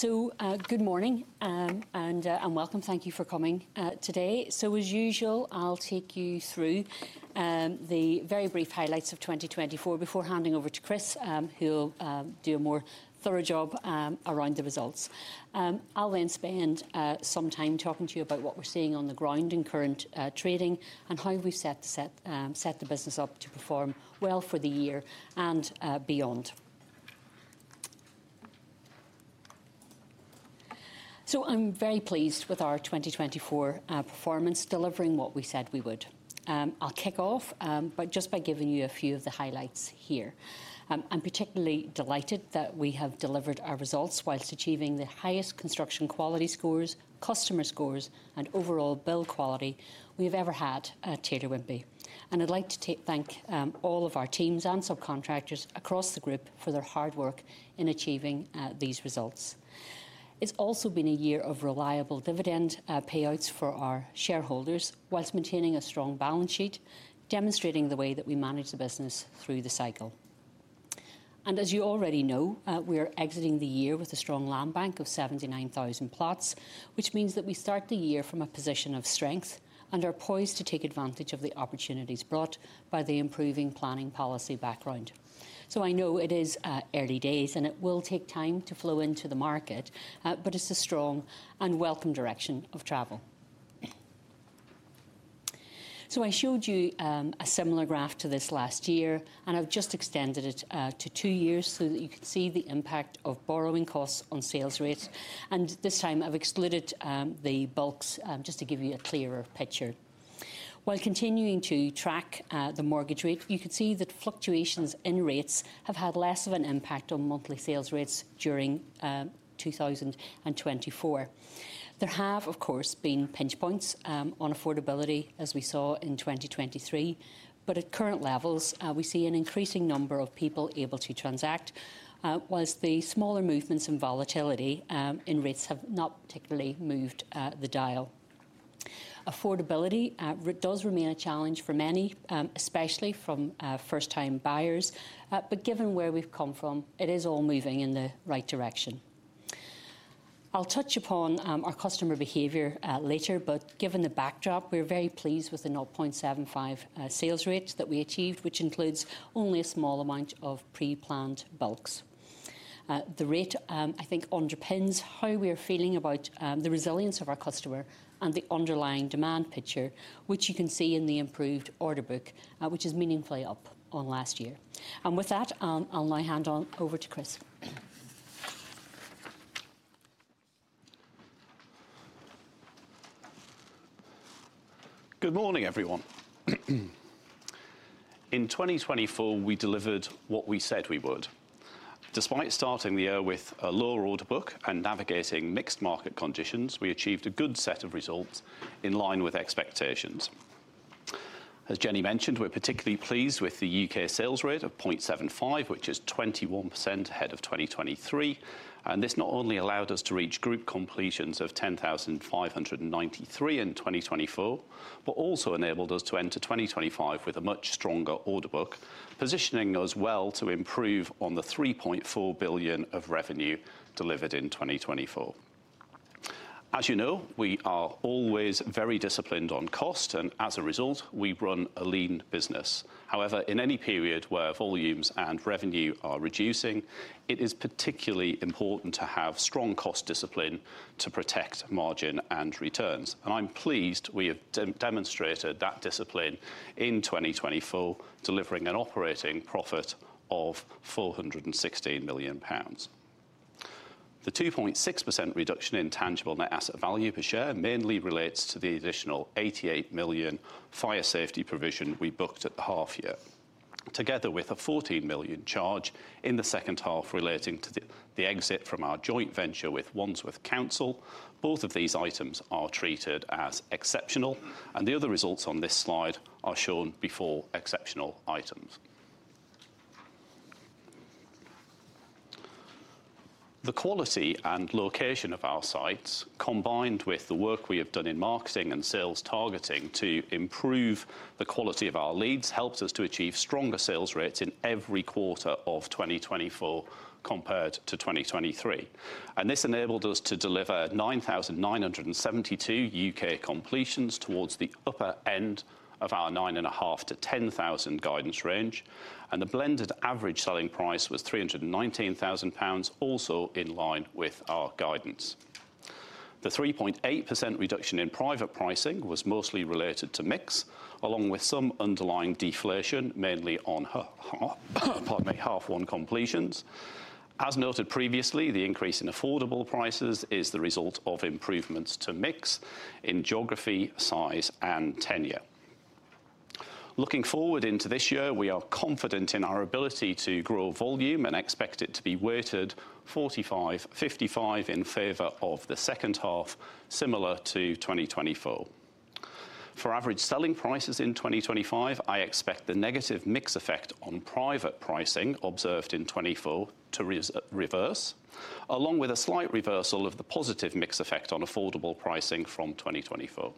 Good morning, and welcome. Thank you for coming today. As usual, I'll take you through the very brief highlights of 2024 before handing over to Chris, who'll do a more thorough job around the results. I'll then spend some time talking to you about what we're seeing on the ground in current trading and how we've set the business up to perform well for the year and beyond. I'm very pleased with our 2024 performance, delivering what we said we would. I'll kick off by just giving you a few of the highlights here. I'm particularly delighted that we have delivered our results while achieving the highest construction quality scores, customer scores, and overall build quality we have ever had at Taylor Wimpey. I'd like to thank all of our teams and subcontractors across the group for their hard work in achieving these results. It's also been a year of reliable dividend payouts for our shareholders while maintaining a strong balance sheet, demonstrating the way that we manage the business through the cycle. As you already know, we are exiting the year with a strong land bank of 79,000 plots, which means that we start the year from a position of strength and are poised to take advantage of the opportunities brought by the improving planning policy background. I know it is early days, and it will take time to flow into the market, but it's a strong and welcome direction of travel. So, I showed you a similar graph to this last year, and I've just extended it to two years so that you can see the impact of borrowing costs on sales rates. And this time, I've excluded the bulks, just to give you a clearer picture. While continuing to track the mortgage rate, you can see that fluctuations in rates have had less of an impact on monthly sales rates during 2024. There have, of course, been pinch points on affordability, as we saw in 2023, but at current levels, we see an increasing number of people able to transact, whilst the smaller movements in volatility in rates have not particularly moved the dial. Affordability does remain a challenge for many, especially from first-time buyers. But given where we've come from, it is all moving in the right direction. I'll touch upon our customer behavior later, but given the backdrop, we're very pleased with the 0.75 sales rate that we achieved, which includes only a small amount of pre-planned bulks. The rate, I think, underpins how we are feeling about the resilience of our customer and the underlying demand picture, which you can see in the improved order book, which is meaningfully up on last year. And with that, I'll now hand over to Chris. Good morning, everyone. In 2024, we delivered what we said we would. Despite starting the year with a lower order book and navigating mixed market conditions, we achieved a good set of results in line with expectations. As Jennie mentioned, we're particularly pleased with the U.K. sales rate of 0.75, which is 21% ahead of 2023. And this not only allowed us to reach group completions of 10,593 in 2024, but also enabled us to enter 2025 with a much stronger order book, positioning us well to improve on the 3.4 billion of revenue delivered in 2024. As you know, we are always very disciplined on cost, and as a result, we run a lean business. However, in any period where volumes and revenue are reducing, it is particularly important to have strong cost discipline to protect margin and returns. I'm pleased we have demonstrated that discipline in 2024, delivering an operating profit of 416 million pounds. The 2.6% reduction in tangible net asset value per share mainly relates to the additional 88 million fire safety provision we booked at the half-year, together with a 14 million charge in the second half relating to the exit from our joint venture with Wandsworth Council. Both of these items are treated as exceptional, and the other results on this slide are shown before exceptional items. The quality and location of our sites, combined with the work we have done in marketing and sales targeting to improve the quality of our leads, helped us to achieve stronger sales rates in every quarter of 2024 compared to 2023. This enabled us to deliver 9,972 U.K. completions towards the upper end of our 9,500-10,000 guidance range. The blended average selling price was 319,000 pounds, also in line with our guidance. The 3.8% reduction in private pricing was mostly related to mix, along with some underlying deflation, mainly on, pardon me, half one completions. As noted previously, the increase in affordable prices is the result of improvements to mix in geography, size, and tenure. Looking forward into this year, we are confident in our ability to grow volume and expect it to be weighted 45/55 in favor of the second half, similar to 2024. For average selling prices in 2025, I expect the negative mix effect on private pricing observed in 2024 to reverse, along with a slight reversal of the positive mix effect on affordable pricing from 2024.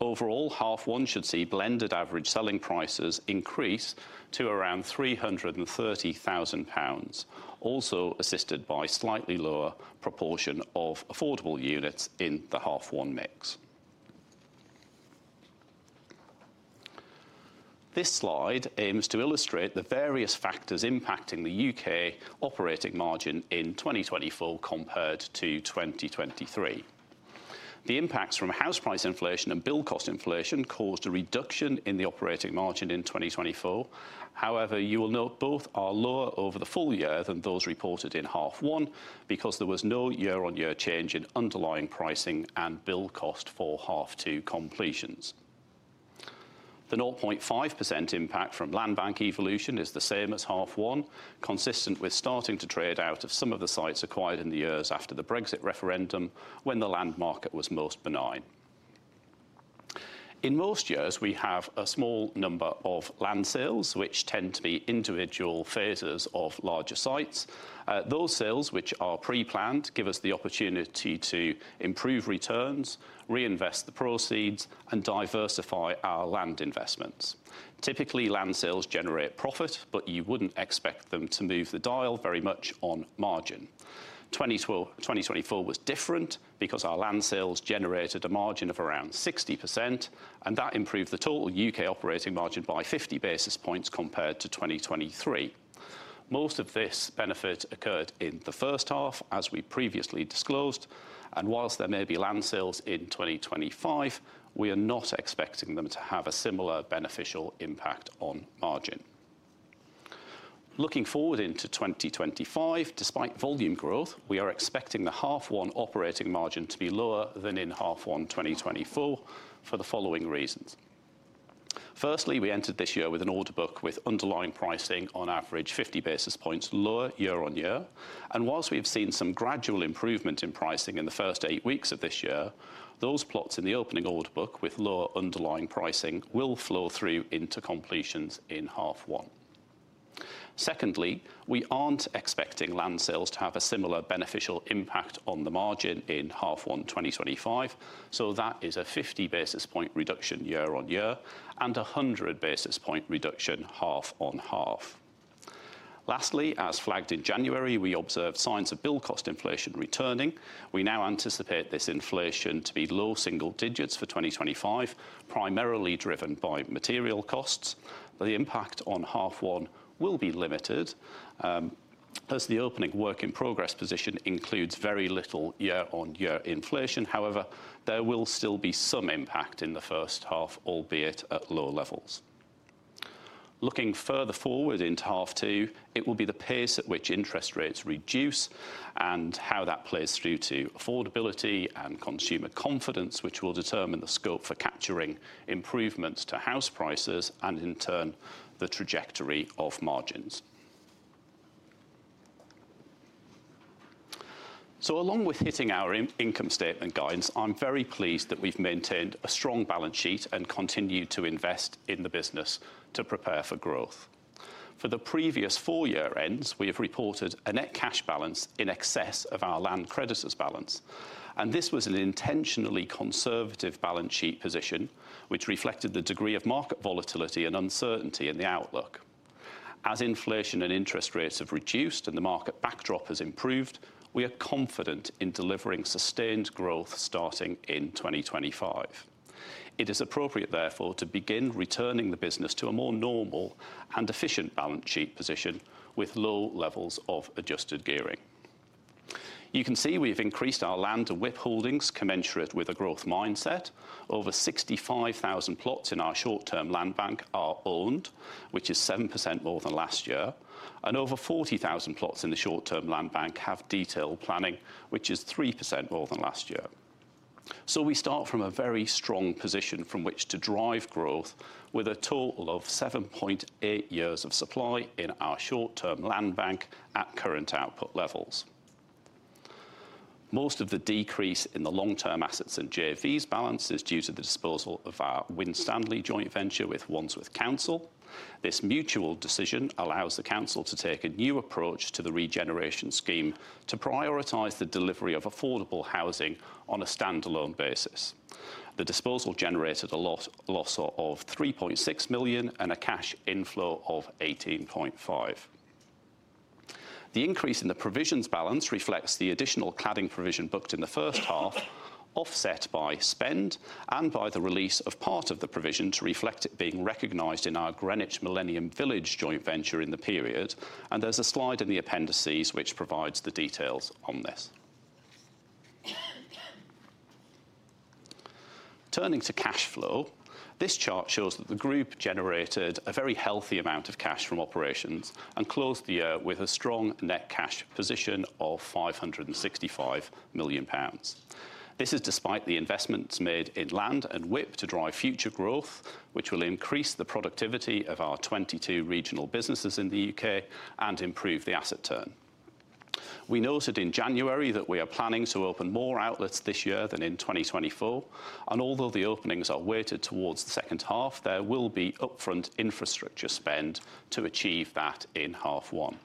Overall, half one should see blended average selling prices increase to around 330,000 pounds, also assisted by a slightly lower proportion of affordable units in the half one mix. This slide aims to illustrate the various factors impacting the U.K. operating margin in 2024 compared to 2023. The impacts from house price inflation and build cost inflation caused a reduction in the operating margin in 2024. However, you will note both are lower over the full year than those reported in half-one because there was no year-on-year change in underlying pricing and build cost for half-two completions. The 0.5% impact from land bank evolution is the same as half-one, consistent with starting to trade out of some of the sites acquired in the years after the Brexit referendum when the land market was most benign. In most years, we have a small number of land sales, which tend to be individual phases of larger sites. Those sales, which are pre-planned, give us the opportunity to improve returns, reinvest the proceeds, and diversify our land investments. Typically, land sales generate profit, but you wouldn't expect them to move the dial very much on margin. 2024 was different because our land sales generated a margin of around 60%, and that improved the total U.K. operating margin by 50 basis points compared to 2023. Most of this benefit occurred in the first half, as we previously disclosed, and whilst there may be land sales in 2025, we are not expecting them to have a similar beneficial impact on margin. Looking forward into 2025, despite volume growth, we are expecting the half-one operating margin to be lower than in half-one 2024 for the following reasons. Firstly, we entered this year with an order book with underlying pricing on average 50 basis points lower year-on-year. And whilst we've seen some gradual improvement in pricing in the first eight weeks of this year, those plots in the opening order book with lower underlying pricing will flow through into completions in half-one. Secondly, we aren't expecting land sales to have a similar beneficial impact on the margin in half-one 2025. So that is a 50 basis points reduction year-on-year and a 100 basis points reduction half-on-half. Lastly, as flagged in January, we observed signs of build cost inflation returning. We now anticipate this inflation to be low single digits for 2025, primarily driven by material costs. The impact on half-one will be limited, as the opening work in progress position includes very little year-on-year inflation. However, there will still be some impact in the first half, albeit at low levels. Looking further forward into half-two, it will be the pace at which interest rates reduce and how that plays through to affordability and consumer confidence, which will determine the scope for capturing improvements to house prices and, in turn, the trajectory of margins. So, along with hitting our income statement guidance, I'm very pleased that we've maintained a strong balance sheet and continued to invest in the business to prepare for growth. For the previous four year-ends, we have reported a net cash balance in excess of our land creditors' balance, and this was an intentionally conservative balance sheet position, which reflected the degree of market volatility and uncertainty in the outlook. As inflation and interest rates have reduced and the market backdrop has improved, we are confident in delivering sustained growth starting in 2025. It is appropriate, therefore, to begin returning the business to a more normal and efficient balance sheet position with low levels of adjusted gearing. You can see we've increased our land and WIP holdings commensurate with a growth mindset. Over 65,000 plots in our short-term land bank are owned, which is 7% more than last year. And over 40,000 plots in the short-term land bank have detailed planning, which is 3% more than last year. So, we start from a very strong position from which to drive growth with a total of 7.8 years of supply in our short-term land bank at current output levels. Most of the decrease in the long-term assets and JVs balance is due to the disposal of our Winstanley joint venture with Wandsworth Council. This mutual decision allows the Council to take a new approach to the regeneration scheme to prioritize the delivery of affordable housing on a standalone basis. The disposal generated a loss of 3.6 million and a cash inflow of 18.5 million. The increase in the provisions balance reflects the additional cladding provision booked in the first half, offset by spend and by the release of part of the provision to reflect it being recognized in our Greenwich Millennium Village joint venture in the period, and there's a slide in the appendices which provides the details on this. Turning to cash flow, this chart shows that the group generated a very healthy amount of cash from operations and closed the year with a strong net cash position of 565 million pounds. This is despite the investments made in land and WIP to drive future growth, which will increase the productivity of our 22 regional businesses in the U.K. and improve the asset turn. We noted in January that we are planning to open more outlets this year than in 2024, and although the openings are weighted towards the second half, there will be upfront infrastructure spend to achieve that in half-one.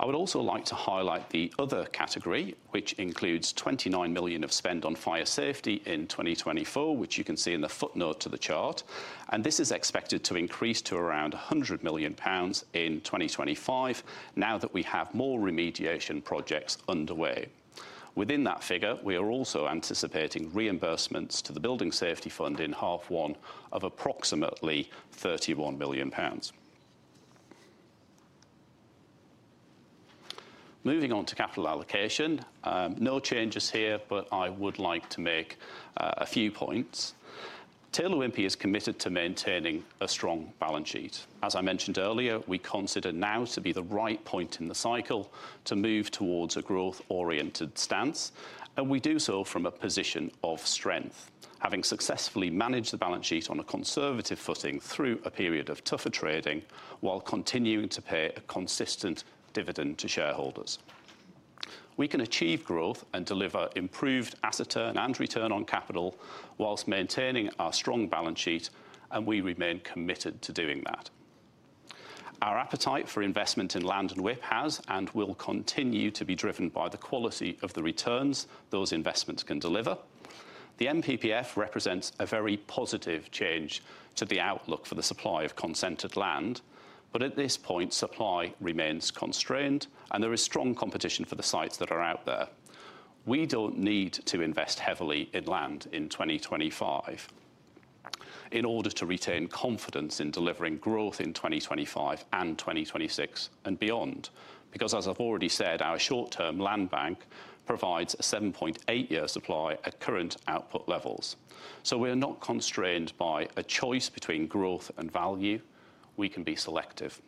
I would also like to highlight the other category, which includes 29 million of spend on fire safety in 2024, which you can see in the footnote to the chart, and this is expected to increase to around 100 million pounds in 2025, now that we have more remediation projects underway. Within that figure, we are also anticipating reimbursements to the Building Safety Fund in half-one of approximately GBP 31 million. Moving on to capital allocation, no changes here, but I would like to make a few points. Taylor Wimpey is committed to maintaining a strong balance sheet. As I mentioned earlier, we consider now to be the right point in the cycle to move towards a growth-oriented stance. And we do so from a position of strength, having successfully managed the balance sheet on a conservative footing through a period of tougher trading while continuing to pay a consistent dividend to shareholders. We can achieve growth and deliver improved asset turnover and return on capital whilst maintaining our strong balance sheet, and we remain committed to doing that. Our appetite for investment in land and WIP has and will continue to be driven by the quality of the returns those investments can deliver. The NPPF represents a very positive change to the outlook for the supply of consented land. But at this point, supply remains constrained, and there is strong competition for the sites that are out there. We don't need to invest heavily in land in 2025 in order to retain confidence in delivering growth in 2025 and 2026 and beyond, because, as I've already said, our short-term land bank provides a 7.8-year supply at current output levels. So, we are not constrained by a choice between growth and value, we can be selective.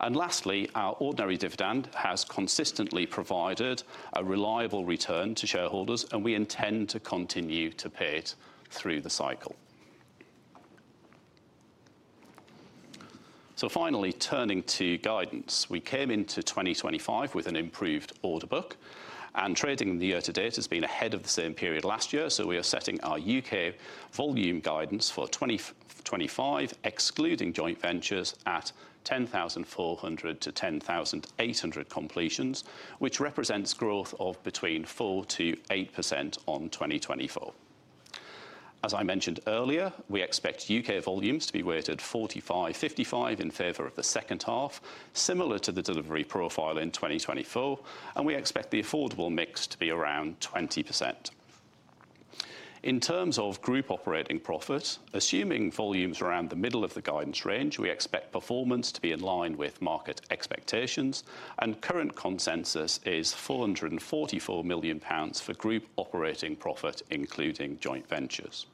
And lastly, our ordinary dividend has consistently provided a reliable return to shareholders, and we intend to continue to pay it through the cycle. So, finally, turning to guidance, we came into 2025 with an improved order book, and trading in the year-to-date has been ahead of the same period last year. We are setting our U.K. volume guidance for 2025, excluding joint ventures, at 10,400-10,800 completions, which represents growth of between 4%-8% on 2024. As I mentioned earlier, we expect U.K. volumes to be weighted 45/55 in favor of the second half, similar to the delivery profile in 2024 and we expect the affordable mix to be around 20%. In terms of group operating profit, assuming volumes around the middle of the guidance range, we expect performance to be in line with market expectations. Current consensus is 444 million pounds for group operating profit, including joint ventures.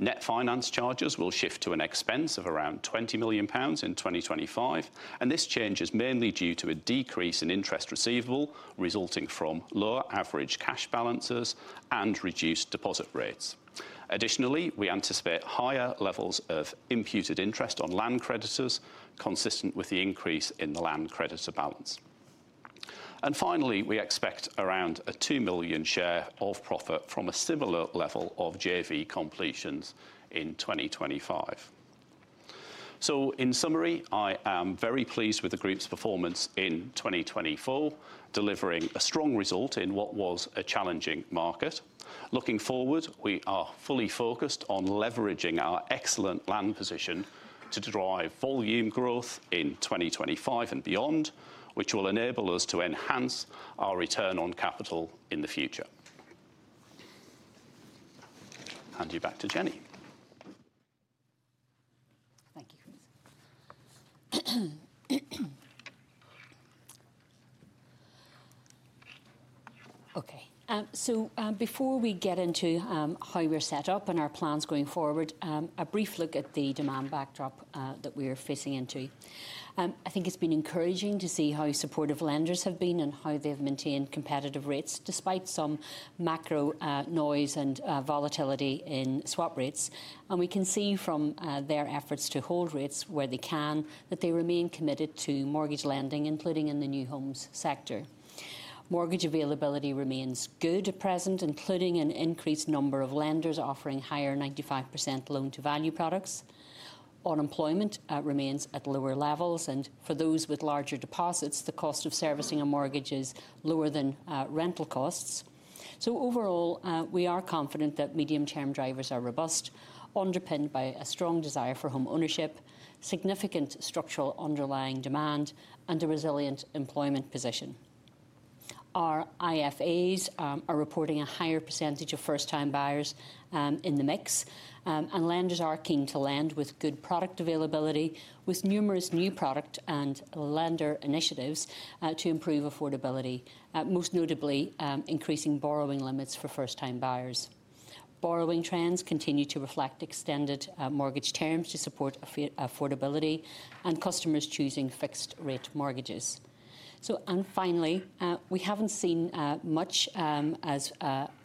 Net finance charges will shift to an expense of around 20 million pounds in 2025. This change is mainly due to a decrease in interest receivable resulting from lower average cash balances and reduced deposit rates. Additionally, we anticipate higher levels of imputed interest on land creditors, consistent with the increase in the land creditor balance. And finally, we expect around a 2 million share of profit from a similar level of JV completions in 2025. So, in summary, I am very pleased with the group's performance in 2024, delivering a strong result in what was a challenging market. Looking forward, we are fully focused on leveraging our excellent land position to drive volume growth in 2025 and beyond, which will enable us to enhance our return on capital in the future. Handing you back to Jennie. Thank you, Chris. Okay, so before we get into how we're set up and our plans going forward, a brief look at the demand backdrop that we're facing into. I think it's been encouraging to see how supportive lenders have been and how they've maintained competitive rates despite some macro noise and volatility in swap rates. And we can see from their efforts to hold rates where they can that they remain committed to mortgage lending, including in the new homes sector. Mortgage availability remains good at present, including an increased number of lenders offering higher 95% loan-to-value products. Unemployment remains at lower levels. And for those with larger deposits, the cost of servicing a mortgage is lower than rental costs. So, overall, we are confident that medium-term drivers are robust, underpinned by a strong desire for home ownership, significant structural underlying demand, and a resilient employment position. Our IFAs are reporting a higher percentage of first-time buyers in the mix. And lenders are keen to lend with good product availability, with numerous new product and lender initiatives to improve affordability, most notably increasing borrowing limits for first-time buyers. Borrowing trends continue to reflect extended mortgage terms to support affordability and customers choosing fixed-rate mortgages. Finally, we haven't seen much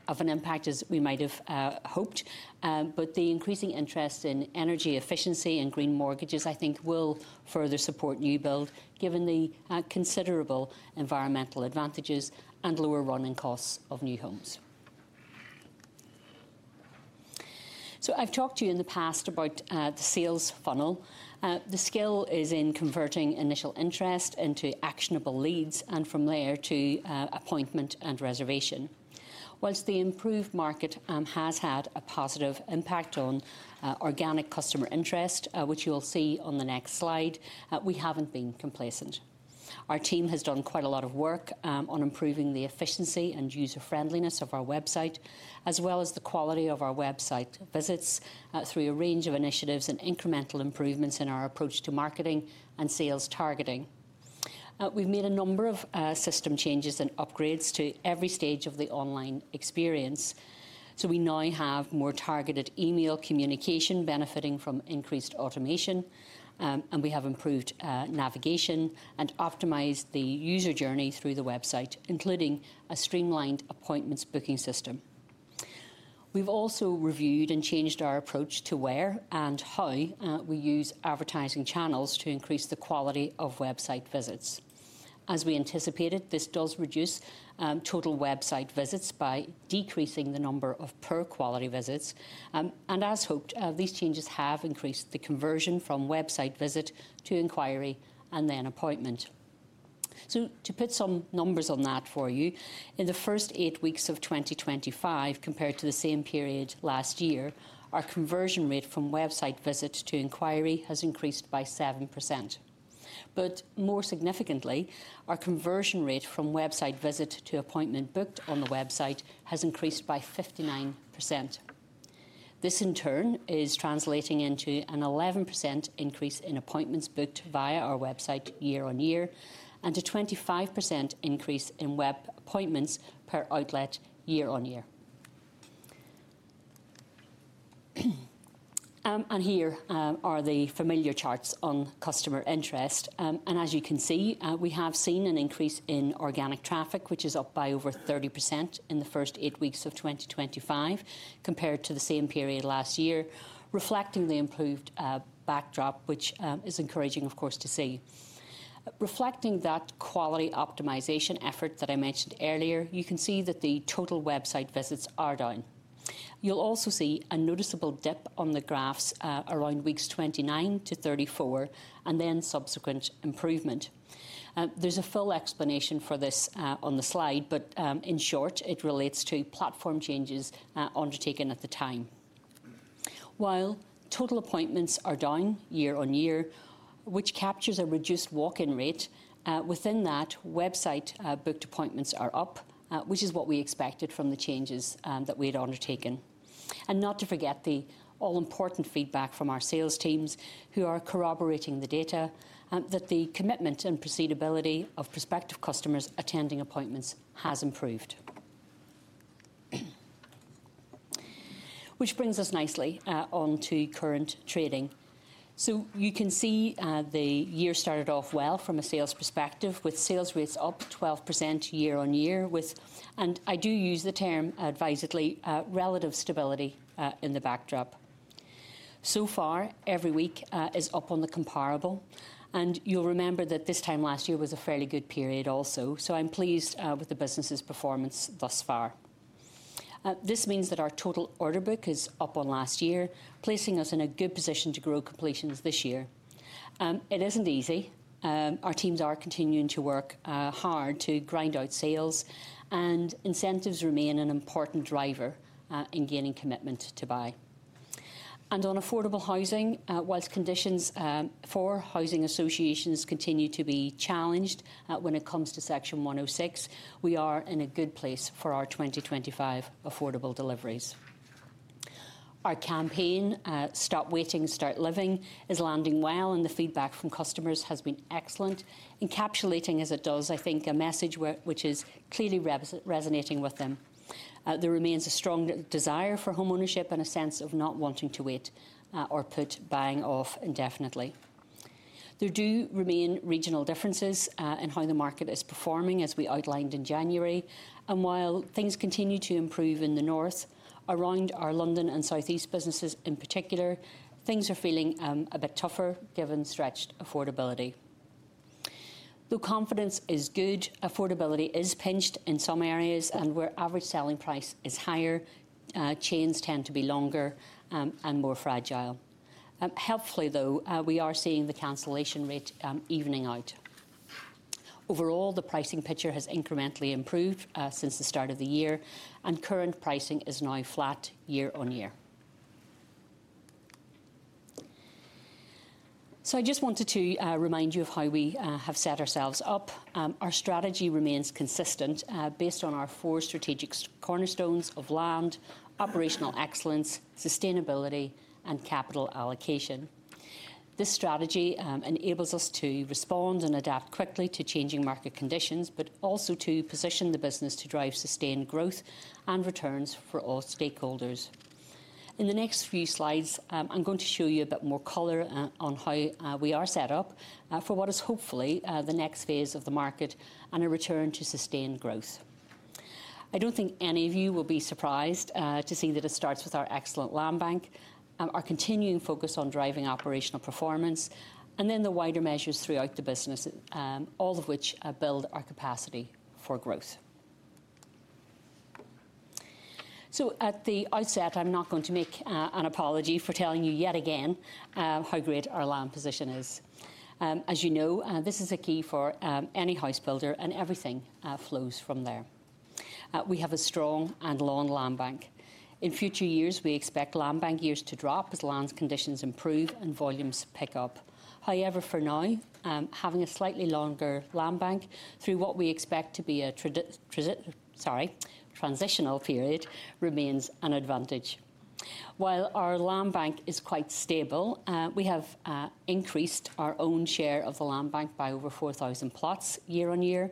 of an impact as we might have hoped, but the increasing interest in energy efficiency and green mortgages, I think, will further support new build given the considerable environmental advantages and lower running costs of new homes. I've talked to you in the past about the sales funnel. The skill is in converting initial interest into actionable leads and from there to appointment and reservation. While the improved market has had a positive impact on organic customer interest, which you will see on the next slide, we haven't been complacent. Our team has done quite a lot of work on improving the efficiency and user-friendliness of our website, as well as the quality of our website visits, through a range of initiatives and incremental improvements in our approach to marketing and sales targeting. We've made a number of system changes and upgrades to every stage of the online experience, so we now have more targeted email communication benefiting from increased automation, and we have improved navigation and optimized the user journey through the website, including a streamlined appointments booking system. We've also reviewed and changed our approach to where and how we use advertising channels to increase the quality of website visits. As we anticipated, this does reduce total website visits by decreasing the number of poor-quality visits, and as hoped, these changes have increased the conversion from website visit to inquiry and then appointment. So, to put some numbers on that for you, in the first eight weeks of 2025, compared to the same period last year, our conversion rate from website visit to inquiry has increased by 7%. But more significantly, our conversion rate from website visit to appointment booked on the website has increased by 59%. This, in turn, is translating into an 11% increase in appointments booked via our website year-on-year and a 25% increase in web appointments per outlet year-on-year. And here are the familiar charts on customer interest. And as you can see, we have seen an increase in organic traffic, which is up by over 30% in the first eight weeks of 2025, compared to the same period last year, reflecting the improved backdrop, which is encouraging, of course, to see. Reflecting that quality optimization effort that I mentioned earlier, you can see that the total website visits are down. You'll also see a noticeable dip on the graphs, around weeks 29-34, and then subsequent improvement. There's a full explanation for this on the slide, but in short, it relates to platform changes undertaken at the time. While total appointments are down year-on-year, which captures a reduced walk-in rate, within that, website booked appointments are up, which is what we expected from the changes that we had undertaken, and not to forget the all-important feedback from our sales teams, who are corroborating the data that the commitment and proceedability of prospective customers attending appointments has improved. Which brings us nicely on to current trading. So, you can see, the year started off well from a sales perspective, with sales rates up 12% year-on-year, with, and I do use the term advisedly, relative stability, in the backdrop. So far, every week, is up on the comparable. And you'll remember that this time last year was a fairly good period also. So, I'm pleased, with the business's performance thus far. This means that our total order book is up on last year, placing us in a good position to grow completions this year. It isn't easy. Our teams are continuing to work, hard to grind out sales, and incentives remain an important driver, in gaining commitment to buy. And on affordable housing, while conditions, for housing associations continue to be challenged, when it comes to Section 106, we are in a good place for our 2025 affordable deliveries. Our campaign, "Stop Waiting, Start Living," is landing well, and the feedback from customers has been excellent, encapsulating as it does, I think, a message which is clearly resonating with them. There remains a strong desire for homeownership and a sense of not wanting to wait, or put buying off indefinitely. There do remain regional differences in how the market is performing, as we outlined in January, and while things continue to improve in the north, around our London and Southeast businesses in particular, things are feeling a bit tougher given stretched affordability. Though confidence is good, affordability is pinched in some areas, and where average selling price is higher, chains tend to be longer and more fragile. Helpfully though, we are seeing the cancellation rate evening out. Overall, the pricing picture has incrementally improved since the start of the year, and current pricing is now flat year-on-year. So, I just wanted to remind you of how we have set ourselves up. Our strategy remains consistent, based on our four strategic cornerstones of land, operational excellence, sustainability, and capital allocation. This strategy enables us to respond and adapt quickly to changing market conditions, but also to position the business to drive sustained growth and returns for all stakeholders. In the next few slides, I'm going to show you a bit more color on how we are set up for what is hopefully the next phase of the market and a return to sustained growth. I don't think any of you will be surprised to see that it starts with our excellent land bank, our continuing focus on driving operational performance, and then the wider measures throughout the business, all of which build our capacity for growth. At the outset, I'm not going to make an apology for telling you yet again how great our land position is. As you know, this is a key for any house builder, and everything flows from there. We have a strong and long land bank. In future years, we expect land bank years to drop as land conditions improve and volumes pick up. However, for now, having a slightly longer land bank through what we expect to be a transitional period remains an advantage. While our land bank is quite stable, we have increased our own share of the land bank by over 4,000 plots year-on-year,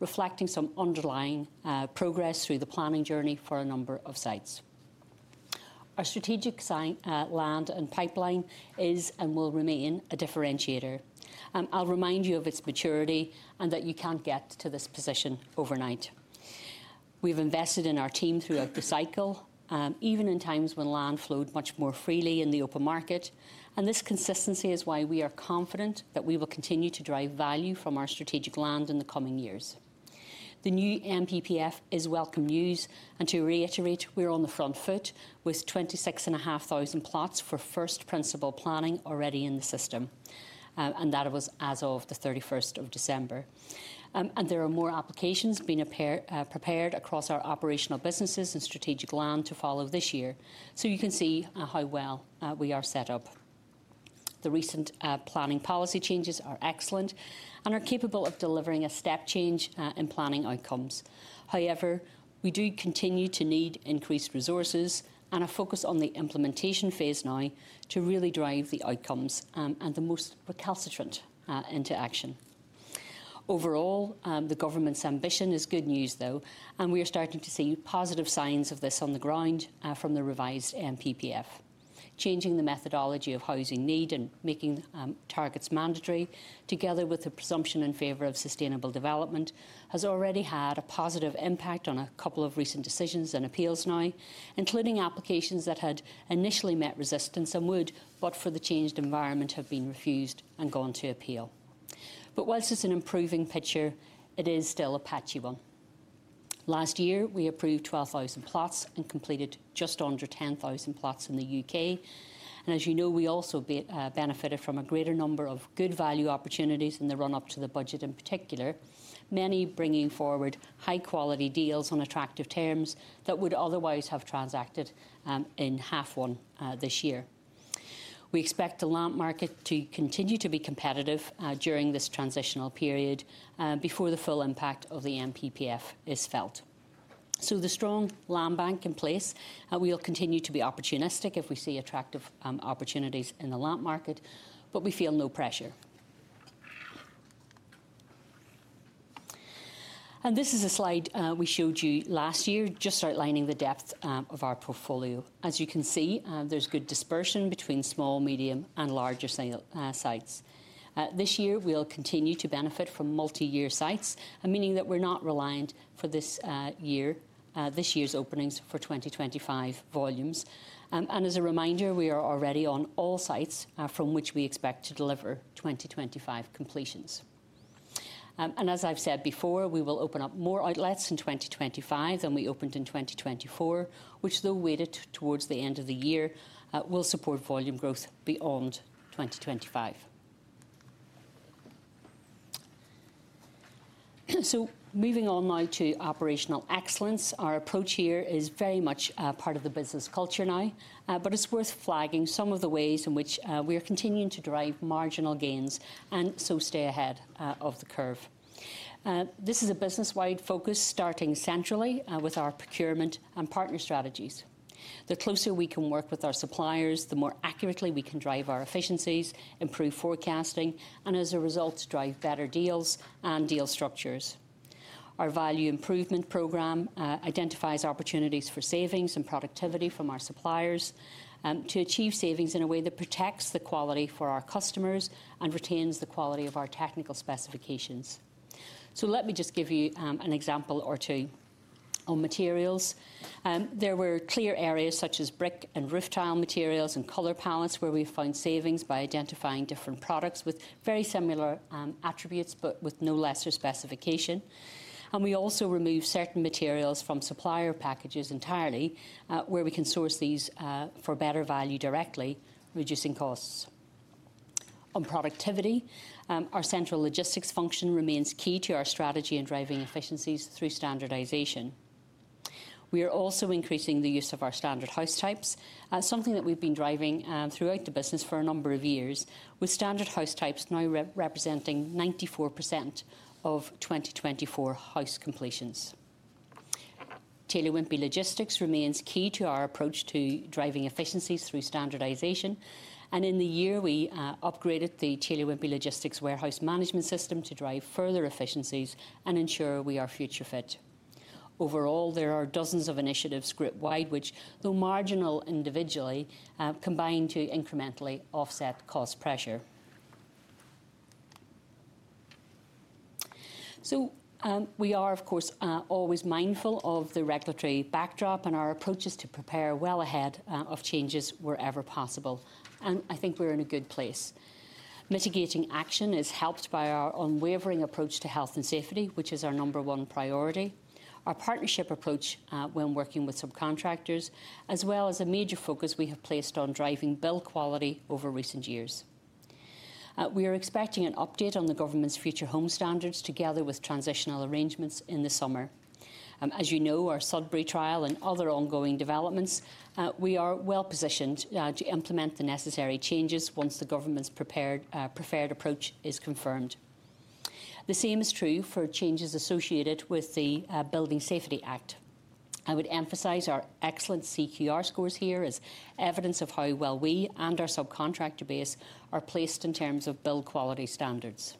reflecting some underlying progress through the planning journey for a number of sites. Our strategic land and pipeline is and will remain a differentiator. I'll remind you of its maturity and that you can't get to this position overnight. We've invested in our team throughout the cycle, even in times when land flowed much more freely in the open market. And this consistency is why we are confident that we will continue to drive value from our strategic land in the coming years. The new NPPF is welcome news, and to reiterate, we're on the front foot with 26,500 plots for first principal planning already in the system, and that was as of December 31st, and there are more applications being prepared across our operational businesses and strategic land to follow this year, so you can see how well we are set up. The recent planning policy changes are excellent and are capable of delivering a step change in planning outcomes. However, we do continue to need increased resources and a focus on the implementation phase now to really drive the outcomes, and the most recalcitrant into action. Overall, the government's ambition is good news though, and we are starting to see positive signs of this on the ground, from the revised NPPF. Changing the methodology of housing need and making targets mandatory together with the presumption in favor of sustainable development has already had a positive impact on a couple of recent decisions and appeals now, including applications that had initially met resistance and would, but for the changed environment, have been refused and gone to appeal. But whilst it's an improving picture, it is still a patchy one. Last year, we approved 12,000 plots and completed just under 10,000 plots in the U.K. As you know, we've also benefited from a greater number of good value opportunities in the run-up to the budget in particular, many bringing forward high-quality deals on attractive terms that would otherwise have transacted in half one this year. We expect the land market to continue to be competitive during this transitional period before the full impact of the NPPF is felt. The strong land bank in place, we'll continue to be opportunistic if we see attractive opportunities in the land market, but we feel no pressure. This is a slide we showed you last year just outlining the depth of our portfolio. As you can see, there's good dispersion between small, medium, and larger-scale sites. This year, we'll continue to benefit from multi-year sites, meaning that we're not reliant for this year, this year's openings for 2025 volumes. And as a reminder, we are already on all sites, from which we expect to deliver 2025 completions. And as I've said before, we will open up more outlets in 2025 than we opened in 2024, which, though weighted towards the end of the year, will support volume growth beyond 2025. So, moving on now to operational excellence, our approach here is very much part of the business culture now, but it's worth flagging some of the ways in which we are continuing to drive marginal gains and so stay ahead of the curve. This is a business-wide focus starting centrally, with our procurement and partner strategies. The closer we can work with our suppliers, the more accurately we can drive our efficiencies, improve forecasting, and as a result, drive better deals and deal structures. Our value improvement program identifies opportunities for savings and productivity from our suppliers to achieve savings in a way that protects the quality for our customers and retains the quality of our technical specifications. So, let me just give you an example or two on materials. There were clear areas such as brick and roof tile materials and color palettes where we found savings by identifying different products with very similar attributes, but with no lesser specification. And we also remove certain materials from supplier packages entirely, where we can source these for better value directly, reducing costs. On productivity, our central logistics function remains key to our strategy in driving efficiencies through standardization. We are also increasing the use of our standard house types, something that we've been driving throughout the business for a number of years, with standard house types now representing 94% of 2024 house completions. Taylor Wimpey Logistics remains key to our approach to driving efficiencies through standardization. And in the year we upgraded the Taylor Wimpey Logistics warehouse management system to drive further efficiencies and ensure we are future-fit. Overall, there are dozens of initiatives group-wide, which, though marginal individually, combine to incrementally offset cost pressure. So, we are, of course, always mindful of the regulatory backdrop and our approaches to prepare well ahead of changes wherever possible. And I think we're in a good place. Mitigating action is helped by our unwavering approach to health and safety, which is our number one priority. Our partnership approach, when working with subcontractors, as well as a major focus we have placed on driving build quality over recent years. We are expecting an update on the government's Future Homes Standard together with transitional arrangements in the summer. As you know, our Sudbury trial and other ongoing developments, we are well positioned to implement the necessary changes once the government's prepared, preferred approach is confirmed. The same is true for changes associated with the Building Safety Act. I would emphasize our excellent CQR scores here as evidence of how well we and our subcontractor base are placed in terms of build quality standards.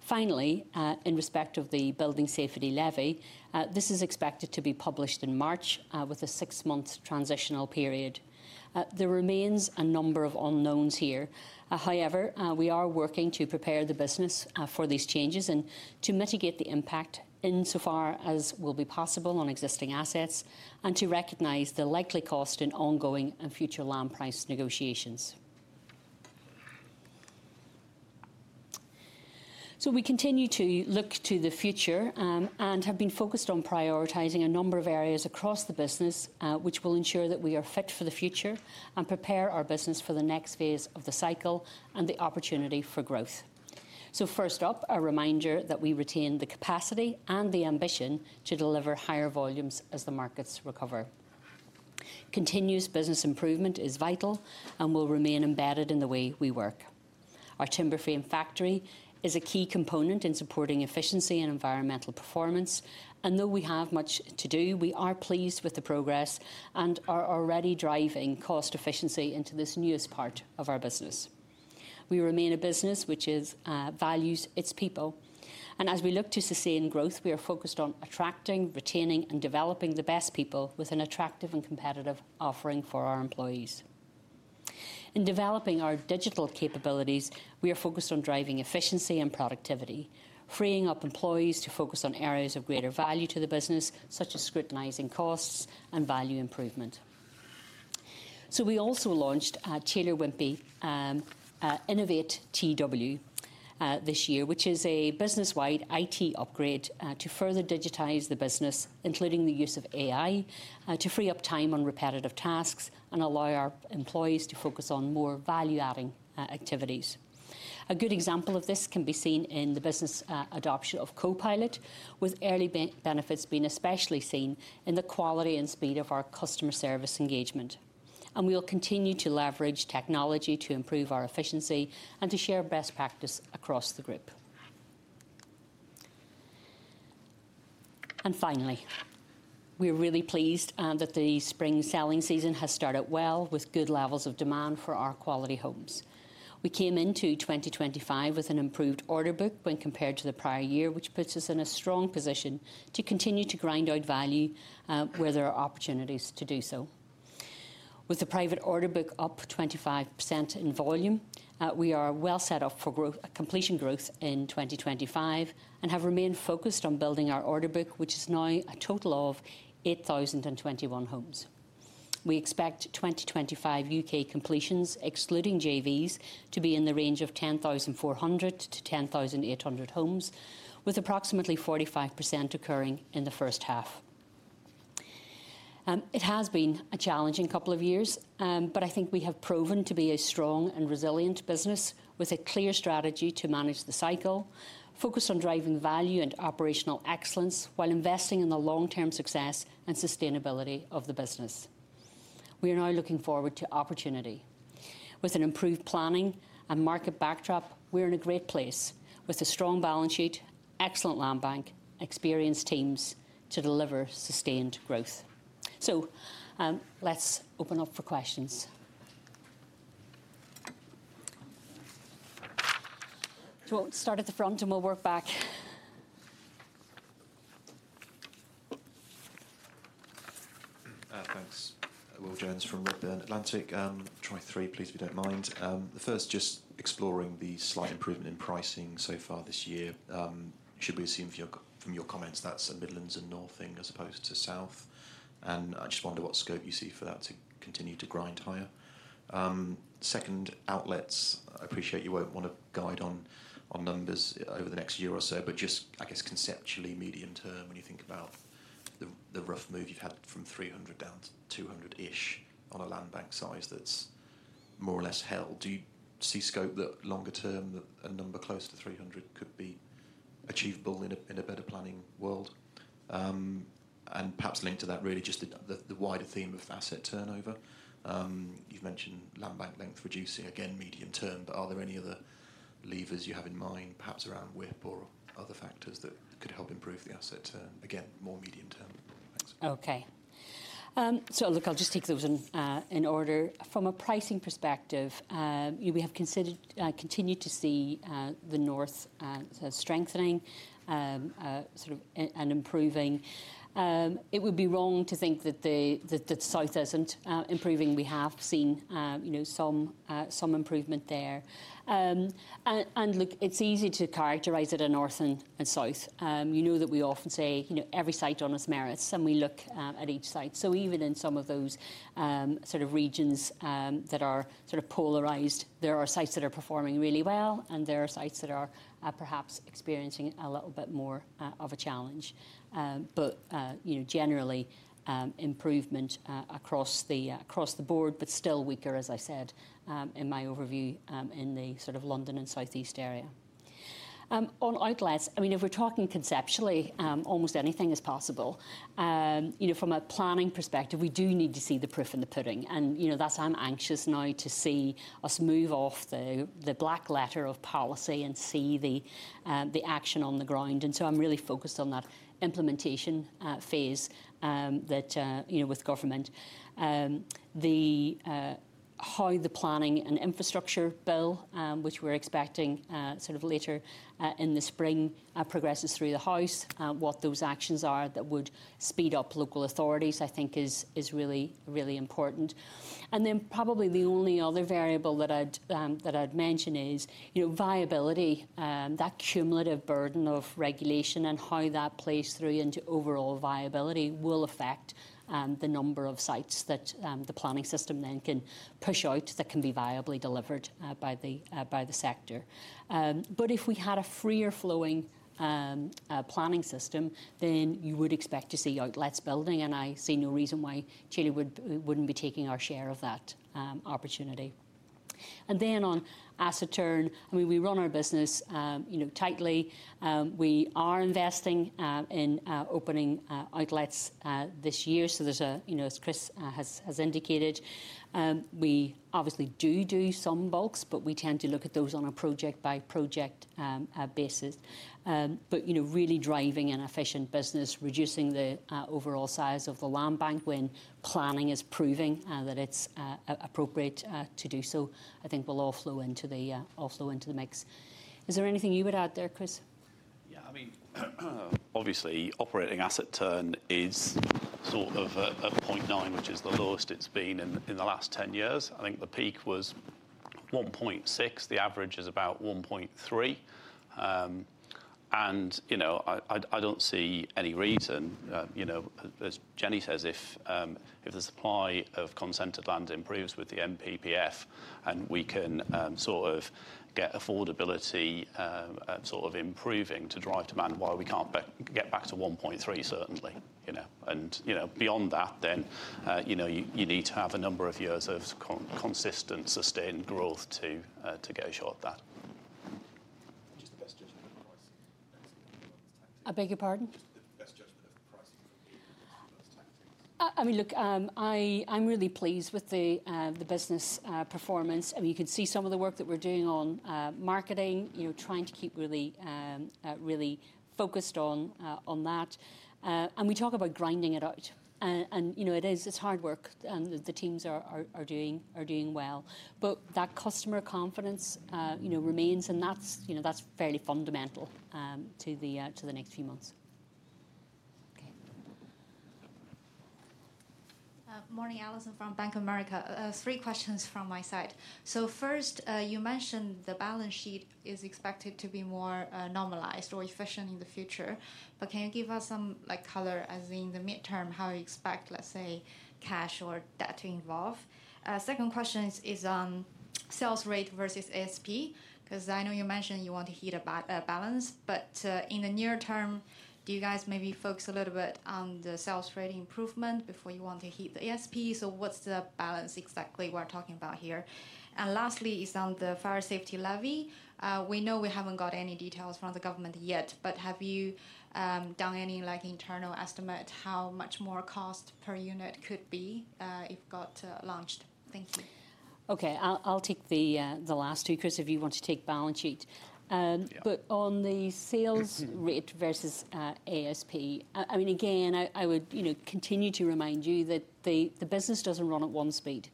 Finally, in respect of the Building Safety Levy, this is expected to be published in March, with a six-month transitional period. There remains a number of unknowns here. However, we are working to prepare the business for these changes and to mitigate the impact insofar as will be possible on existing assets and to recognize the likely cost in ongoing and future land price negotiations. So, we continue to look to the future, and have been focused on prioritizing a number of areas across the business, which will ensure that we are fit for the future and prepare our business for the next phase of the cycle and the opportunity for growth. So, first up, a reminder that we retain the capacity and the ambition to deliver higher volumes as the markets recover. Continuous business improvement is vital and will remain embedded in the way we work. Our timber frame factory is a key component in supporting efficiency and environmental performance. And though we have much to do, we are pleased with the progress and are already driving cost efficiency into this newest part of our business. We remain a business which values its people. And as we look to sustain growth, we are focused on attracting, retaining, and developing the best people with an attractive and competitive offering for our employees. In developing our digital capabilities, we are focused on driving efficiency and productivity, freeing up employees to focus on areas of greater value to the business, such as scrutinizing costs and value improvement. So, we also launched Taylor Wimpey Innovate TW this year, which is a business-wide IT upgrade to further digitize the business, including the use of AI, to free up time on repetitive tasks and allow our employees to focus on more value-adding activities. A good example of this can be seen in the business adoption of Copilot, with early benefits being especially seen in the quality and speed of our customer service engagement. We'll continue to leverage technology to improve our efficiency and to share best practice across the group. Finally, we're really pleased that the spring selling season has started well with good levels of demand for our quality homes. We came into 2025 with an improved order book when compared to the prior year, which puts us in a strong position to continue to grind out value, where there are opportunities to do so. With the private order book up 25% in volume, we are well set up for growth, completion growth in 2025, and have remained focused on building our order book, which is now a total of 8,021 homes. We expect 2025 U.K. completions, excluding JVs, to be in the range of 10,400-10,800 homes, with approximately 45% occurring in the first half. It has been a challenging couple of years, but I think we have proven to be a strong and resilient business with a clear strategy to manage the cycle, focused on driving value and operational excellence while investing in the long-term success and sustainability of the business. We are now looking forward to opportunity. With an improved planning and market backdrop, we're in a great place with a strong balance sheet, excellent land bank, and experienced teams to deliver sustained growth. So, let's open up for questions. So, I'll start at the front and we'll work back. Thanks. Will Jones from Redburn Atlantic. Mic three, please, if you don't mind. The first, just exploring the slight improvement in pricing so far this year. Should we assume from your comments that's a Midlands and North thing as opposed to South? And I just wonder what scope you see for that to continue to grind higher. Second, outlets, I appreciate you won't want to guide on, on numbers over the next year or so, but just, I guess, conceptually, medium-term, when you think about the, the rough move you've had from 300 down to 200-ish on a land bank size that's more or less held, do you see scope that longer-term that a number close to 300 could be achievable in a, in a better planning world? And perhaps linked to that, really just the, the, the wider theme of asset turnover. You've mentioned land bank length reducing again medium-term, but are there any other levers you have in mind, perhaps around WIP or other factors that could help improve the asset turn? Again, more medium-term. Thanks. Okay. So I' ll look. I'll just take those in order. From a pricing perspective, we have continued to see the North strengthening, sort of, and improving. It would be wrong to think that the South isn't improving. We have seen, you know, some improvement there. And look, it's easy to characterize it a North and a South. You know that we often say, you know, every site on its merits, and we look at each site. So even in some of those sort of regions that are sort of polarized, there are sites that are performing really well, and there are sites that are perhaps experiencing a little bit more of a challenge. But you know, generally, improvement across the across the board, but still weaker, as I said, in my overview, in the sort of London and Southeast area. On outlets, I mean, if we're talking conceptually, almost anything is possible, you know, from a planning perspective. We do need to see the proof in the pudding. You know, that's why I'm anxious now to see us move off the black letter of policy and see the action on the ground. So I'm really focused on that implementation phase, you know, with government, the how the planning and infrastructure bill, which we're expecting sort of later in the spring, progresses through the house, what those actions are that would speed up local authorities. I think is really important. And then probably the only other variable that I'd mention is, you know, viability, that cumulative burden of regulation and how that plays through into overall viability will affect the number of sites that the planning system then can push out that can be viably delivered by the sector. But if we had a freer flowing planning system, then you would expect to see outlets building, and I see no reason why Taylor wouldn't be taking our share of that opportunity. And then on asset turn, I mean, we run our business, you know, tightly. We are investing in opening outlets this year. So there's a, you know, as Chris has indicated, we obviously do some bulks, but we tend to look at those on a project-by-project basis. But you know, really driving an efficient business, reducing the overall size of the land bank when planning is proving that it's appropriate to do so, I think will all flow into the mix. Is there anything you would add there, Chris? Yeah, I mean, obviously operating asset turn is sort of a 0.9, which is the lowest it's been in the last 10 years. I think the peak was 1.6. The average is about 1.3. And you know, I don't see any reason, you know, as Jennie says, if the supply of consented land improves with the NPPF and we can sort of get affordability sort of improving to drive demand, why we can't get back to 1.3, certainly, you know. You know, beyond that, then, you know, you need to have a number of years of consistent, sustained growth to grow that. Just the best judgment of pricing against the underlying tactics. I beg your pardon? The best judgment of pricing against the underlying tactics. I mean, look, I'm really pleased with the business performance. I mean, you can see some of the work that we're doing on marketing, you know, trying to keep really, really focused on that. And we talk about grinding it out. You know, it is hard work, and the teams are doing well. But that customer confidence, you know, remains, and that's, you know, that's fairly fundamental to the next few months. Okay. Morning, Allison from Bank of America. Three questions from my side. So first, you mentioned the balance sheet is expected to be more normalized or efficient in the future, but can you give us some, like, color as in the mid-term how you expect, let's say, cash or debt to evolve? Second question is on sales rate versus ASP, because I know you mentioned you want to hit a balance, but in the near-term, do you guys maybe focus a little bit on the sales rate improvement before you want to hit the ASP? So what's the balance exactly we're talking about here? And lastly, is on the Building Safety Levy. We know we haven't got any details from the government yet, but have you done any, like, internal estimate how much more cost per unit could be if it got launched? Thank you. Okay, I'll take the last two, Chris, if you want to take balance sheet. But on the sales rate versus ASP, I mean, again, I would, you know, continue to remind you that the business doesn't run at one speed.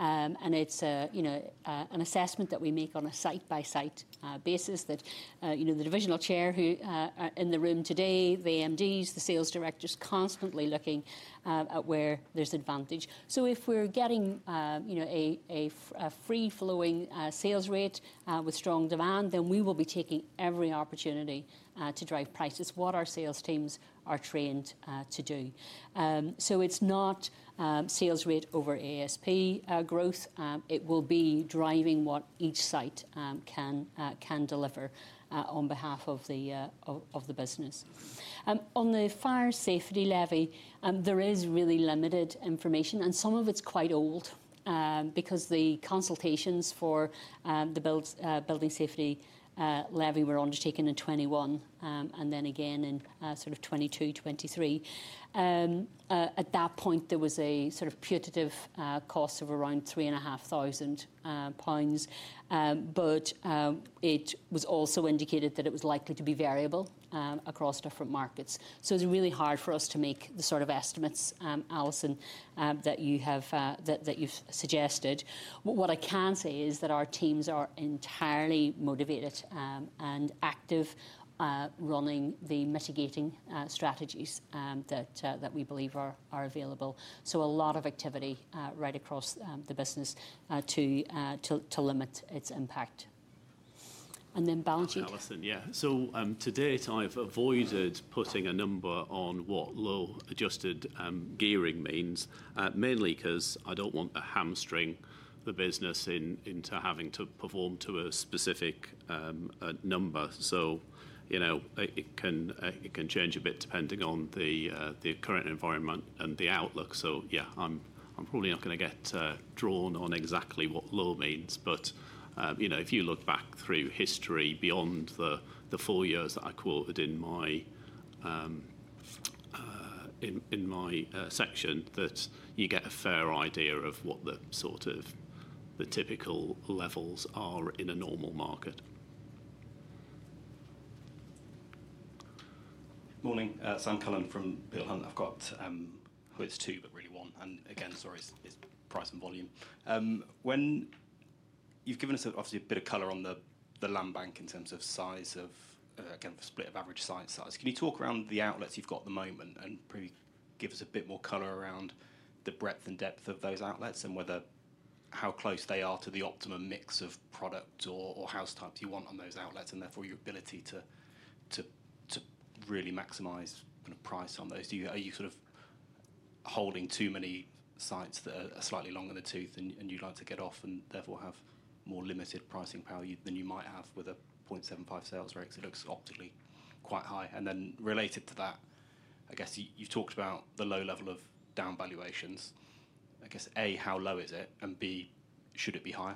And it's a, you know, an assessment that we make on a site-by-site basis that, you know, the divisional chairs who are in the room today, the MDs, the sales directors, constantly looking at where there's advantage. So if we're getting, you know, a free-flowing sales rate with strong demand, then we will be taking every opportunity to drive prices, what our sales teams are trained to do. So it's not sales rate over ASP growth. It will be driving what each site can deliver on behalf of the business. On the fire safety levy, there is really limited information, and some of it's quite old, because the consultations for the building safety levy were undertaken in 2021, and then again in sort of 2022, 2023. At that point, there was a sort of putative cost of around 3,500 pounds. But it was also indicated that it was likely to be variable across different markets. So it's really hard for us to make the sort of estimates, Allison, that you've suggested. What I can say is that our teams are entirely motivated and active running the mitigating strategies that we believe are available. So a lot of activity right across the business to limit its impact. And then balance sheet. Allison, yeah. So, to date, I've avoided putting a number on what low adjusted gearing means, mainly because I don't want to hamstring the business into having to perform to a specific number. You know, it can change a bit depending on the current environment and the outlook. Yeah, I'm probably not going to get drawn on exactly what low means. But you know, if you look back through history beyond the four years that I quoted in my section, you get a fair idea of what the typical levels are in a normal market. Morning, Sam Cullen from Peel Hunt. I've got, well, it's two, but really one. And again, sorry, it's price and volume. When you've given us obviously a bit of color on the land bank in terms of size of, again, the split of average size, can you talk around the outlets you've got at the moment and probably give us a bit more color around the breadth and depth of those outlets and whether, how close they are to the optimum mix of product or house types you want on those outlets and therefore your ability to really maximize kind of price on those? Are you sort of holding too many sites that are slightly long in the tooth and you'd like to get off and therefore have more limited pricing power than you might have with a 0.75 sales rate because it looks optically quite high? Then related to that, I guess you've talked about the low level of down valuations. I guess, A, how low is it? And B, should it be higher?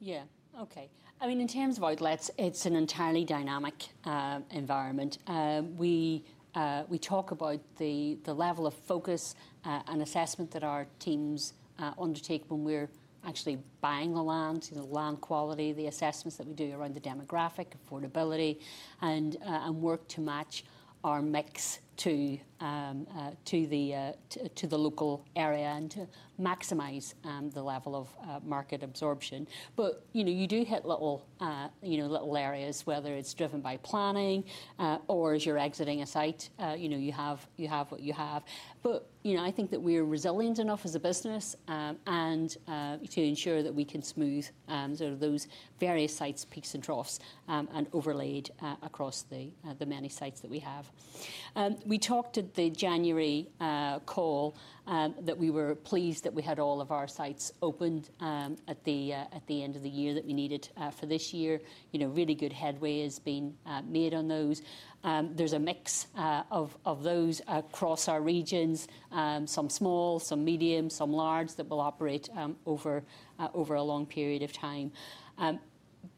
Yeah, okay. I mean, in terms of outlets, it's an entirely dynamic environment. We talk about the level of focus and assessment that our teams undertake when we're actually buying the land, you know, land quality, the assessments that we do around the demographic, affordability, and work to match our mix to the local area and to maximize the level of market absorption. You know, you do hit little areas, whether it's driven by planning, or as you're exiting a site, you know, you have what you have. But you know, I think that we are resilient enough as a business, and to ensure that we can smooth, sort of those various sites' peaks and troughs, and overlaid across the many sites that we have. We talked at the January call that we were pleased that we had all of our sites opened at the end of the year that we needed for this year. You know, really good headway has been made on those. There's a mix of those across our regions, some small, some medium, some large that will operate over a long period of time.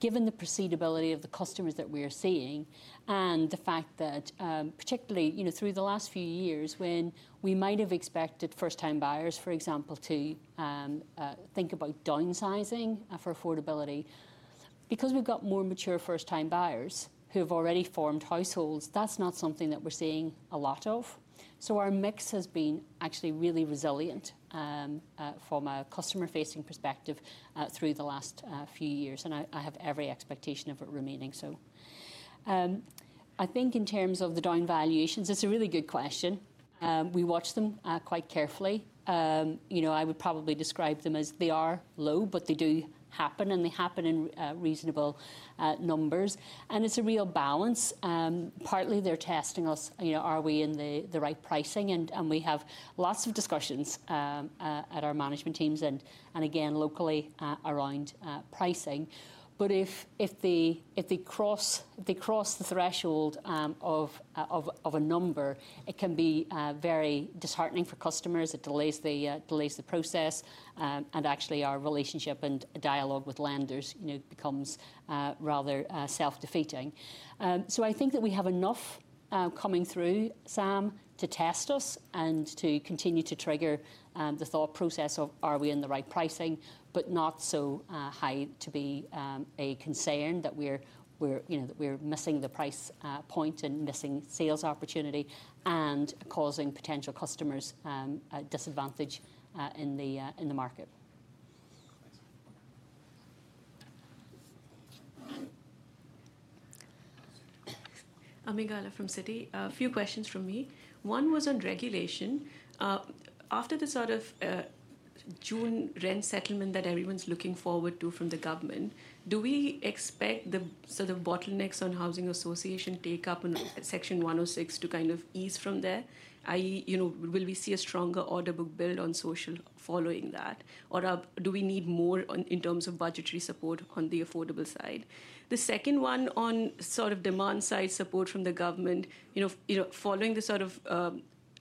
Given the affordability of the customers that we are seeing and the fact that, particularly, you know, through the last few years when we might have expected first-time buyers, for example, to think about downsizing for affordability, because we've got more mature first-time buyers who have already formed households, that's not something that we're seeing a lot of. So our mix has been actually really resilient, from a customer-facing perspective, through the last few years, and I have every expectation of it remaining. So, I think in terms of the down valuations, it's a really good question. We watch them quite carefully. You know, I would probably describe them as they are low, but they do happen, and they happen in reasonable numbers. And it's a real balance. Partly they're testing us, you know, are we in the right pricing? And we have lots of discussions at our management teams and again locally around pricing. But if they cross the threshold of a number, it can be very disheartening for customers. It delays the process, and actually our relationship and dialogue with lenders, you know, becomes rather self-defeating. So I think that we have enough coming through, Sam, to test us and to continue to trigger the thought process of are we in the right pricing, but not so high to be a concern that we're, you know, that we're missing the price point and missing sales opportunity and causing potential customers disadvantage in the market. I'm Ami Galla from Citi. A few questions from me. One was on regulation. After the sort of June rent settlement that everyone's looking forward to from the government, do we expect the sort of bottlenecks on housing association take up on Section 106 to kind of ease from there? I, you know, will we see a stronger order book build on social following that, or do we need more in terms of budgetary support on the affordable side? The second one on sort of demand side support from the government, you know, you know, following the sort of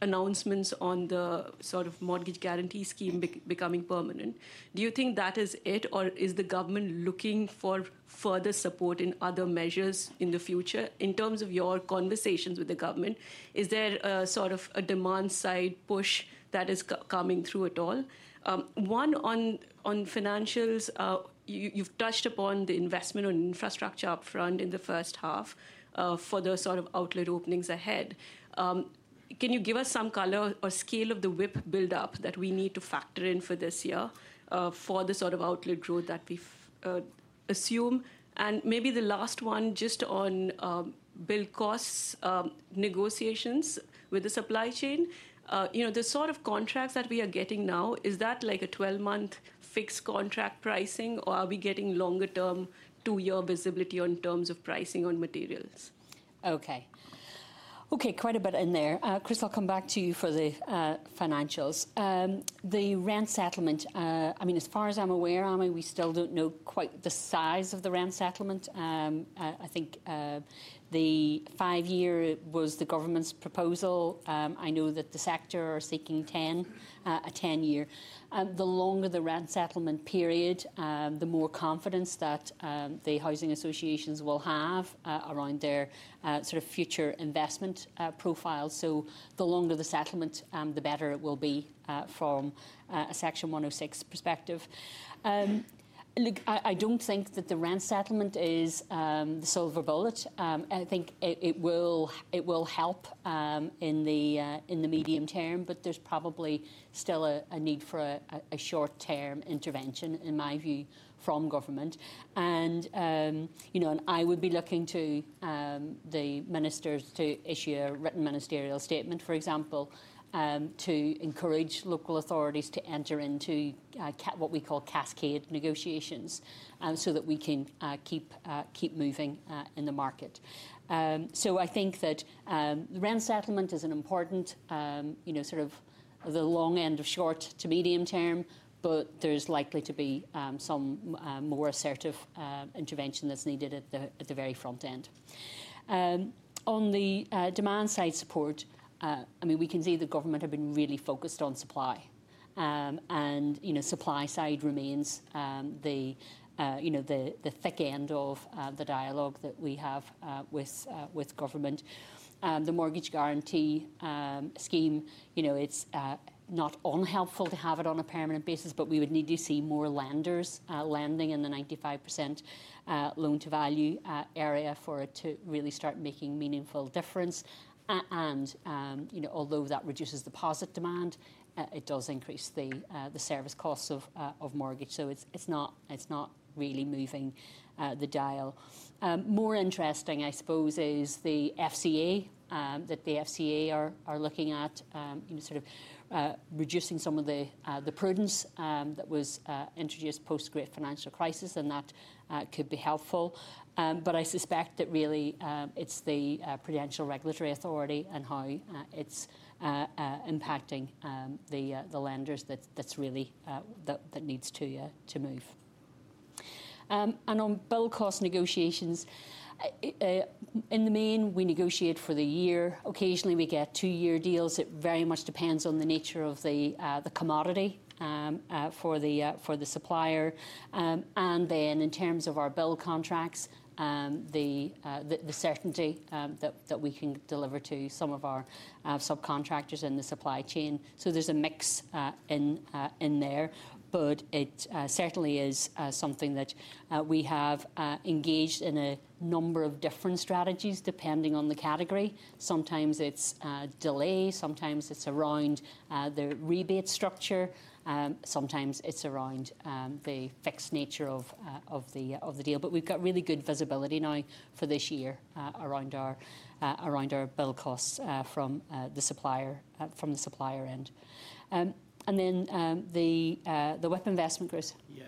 announcements on the sort of Mortgage Guarantee Scheme becoming permanent, do you think that is it, or is the government looking for further support in other measures in the future? In terms of your conversations with the government, is there a sort of a demand side push that is coming through at all? One on financials. You've touched upon the investment on infrastructure upfront in the first half, for the sort of outlet openings ahead. Can you give us some color or scale of the WIP buildup that we need to factor in for this year, for the sort of outlet growth that we assume? And maybe the last one just on build costs, negotiations with the supply chain. You know, the sort of contracts that we are getting now, is that like a 12-month fixed contract pricing, or are we getting longer-term two-year visibility on terms of pricing on materials? Okay, quite a bit in there. Chris, I'll come back to you for the financials. The rent settlement, I mean, as far as I'm aware, Ami, we still don't know quite the size of the rent settlement. I think the five-year was the government's proposal. I know that the sector are seeking a 10-year. The longer the rent settlement period, the more confidence that the housing associations will have around their sort of future investment profile. So the longer the settlement, the better it will be from a Section 106 perspective. Look, I don't think that the rent settlement is the silver bullet. I think it will help in the medium-term, but there's probably still a need for a short-term intervention, in my view, from government. You know, and I would be looking to the ministers to issue a written ministerial statement, for example, to encourage local authorities to enter into what we call cascade negotiations, so that we can keep moving in the market. So I think that the rent settlement is an important, you know, sort of the long end of short to medium-term, but there's likely to be some more assertive intervention that's needed at the very front end. On the demand side support, I mean, we can see the government have been really focused on supply. And you know, supply side remains the thick end of the dialogue that we have with government. The mortgage guarantee scheme, you know, it's not unhelpful to have it on a permanent basis, but we would need to see more lenders lending in the 95% loan-to-value area for it to really start making meaningful difference. And you know, although that reduces deposit demand, it does increase the service costs of mortgage. So it's not really moving the dial. More interesting, I suppose, is the FCA that the FCA are looking at, you know, sort of, reducing some of the prudence that was introduced post-Great Financial Crisis, and that could be helpful. But I suspect that really it's the Prudential Regulation Authority and how it's impacting the lenders that's really that needs to move. And on build cost negotiations, in the main, we negotiate for the year. Occasionally, we get two-year deals. It very much depends on the nature of the commodity for the supplier. And then in terms of our build contracts, the certainty that we can deliver to some of our subcontractors in the supply chain. So there's a mix in there, but it certainly is something that we have engaged in a number of different strategies depending on the category. Sometimes it's delay. Sometimes it's around the rebate structure. Sometimes it's around the fixed nature of the deal. But we've got really good visibility now for this year around our build costs from the supplier end. And then the WIP investment, Chris. Yeah,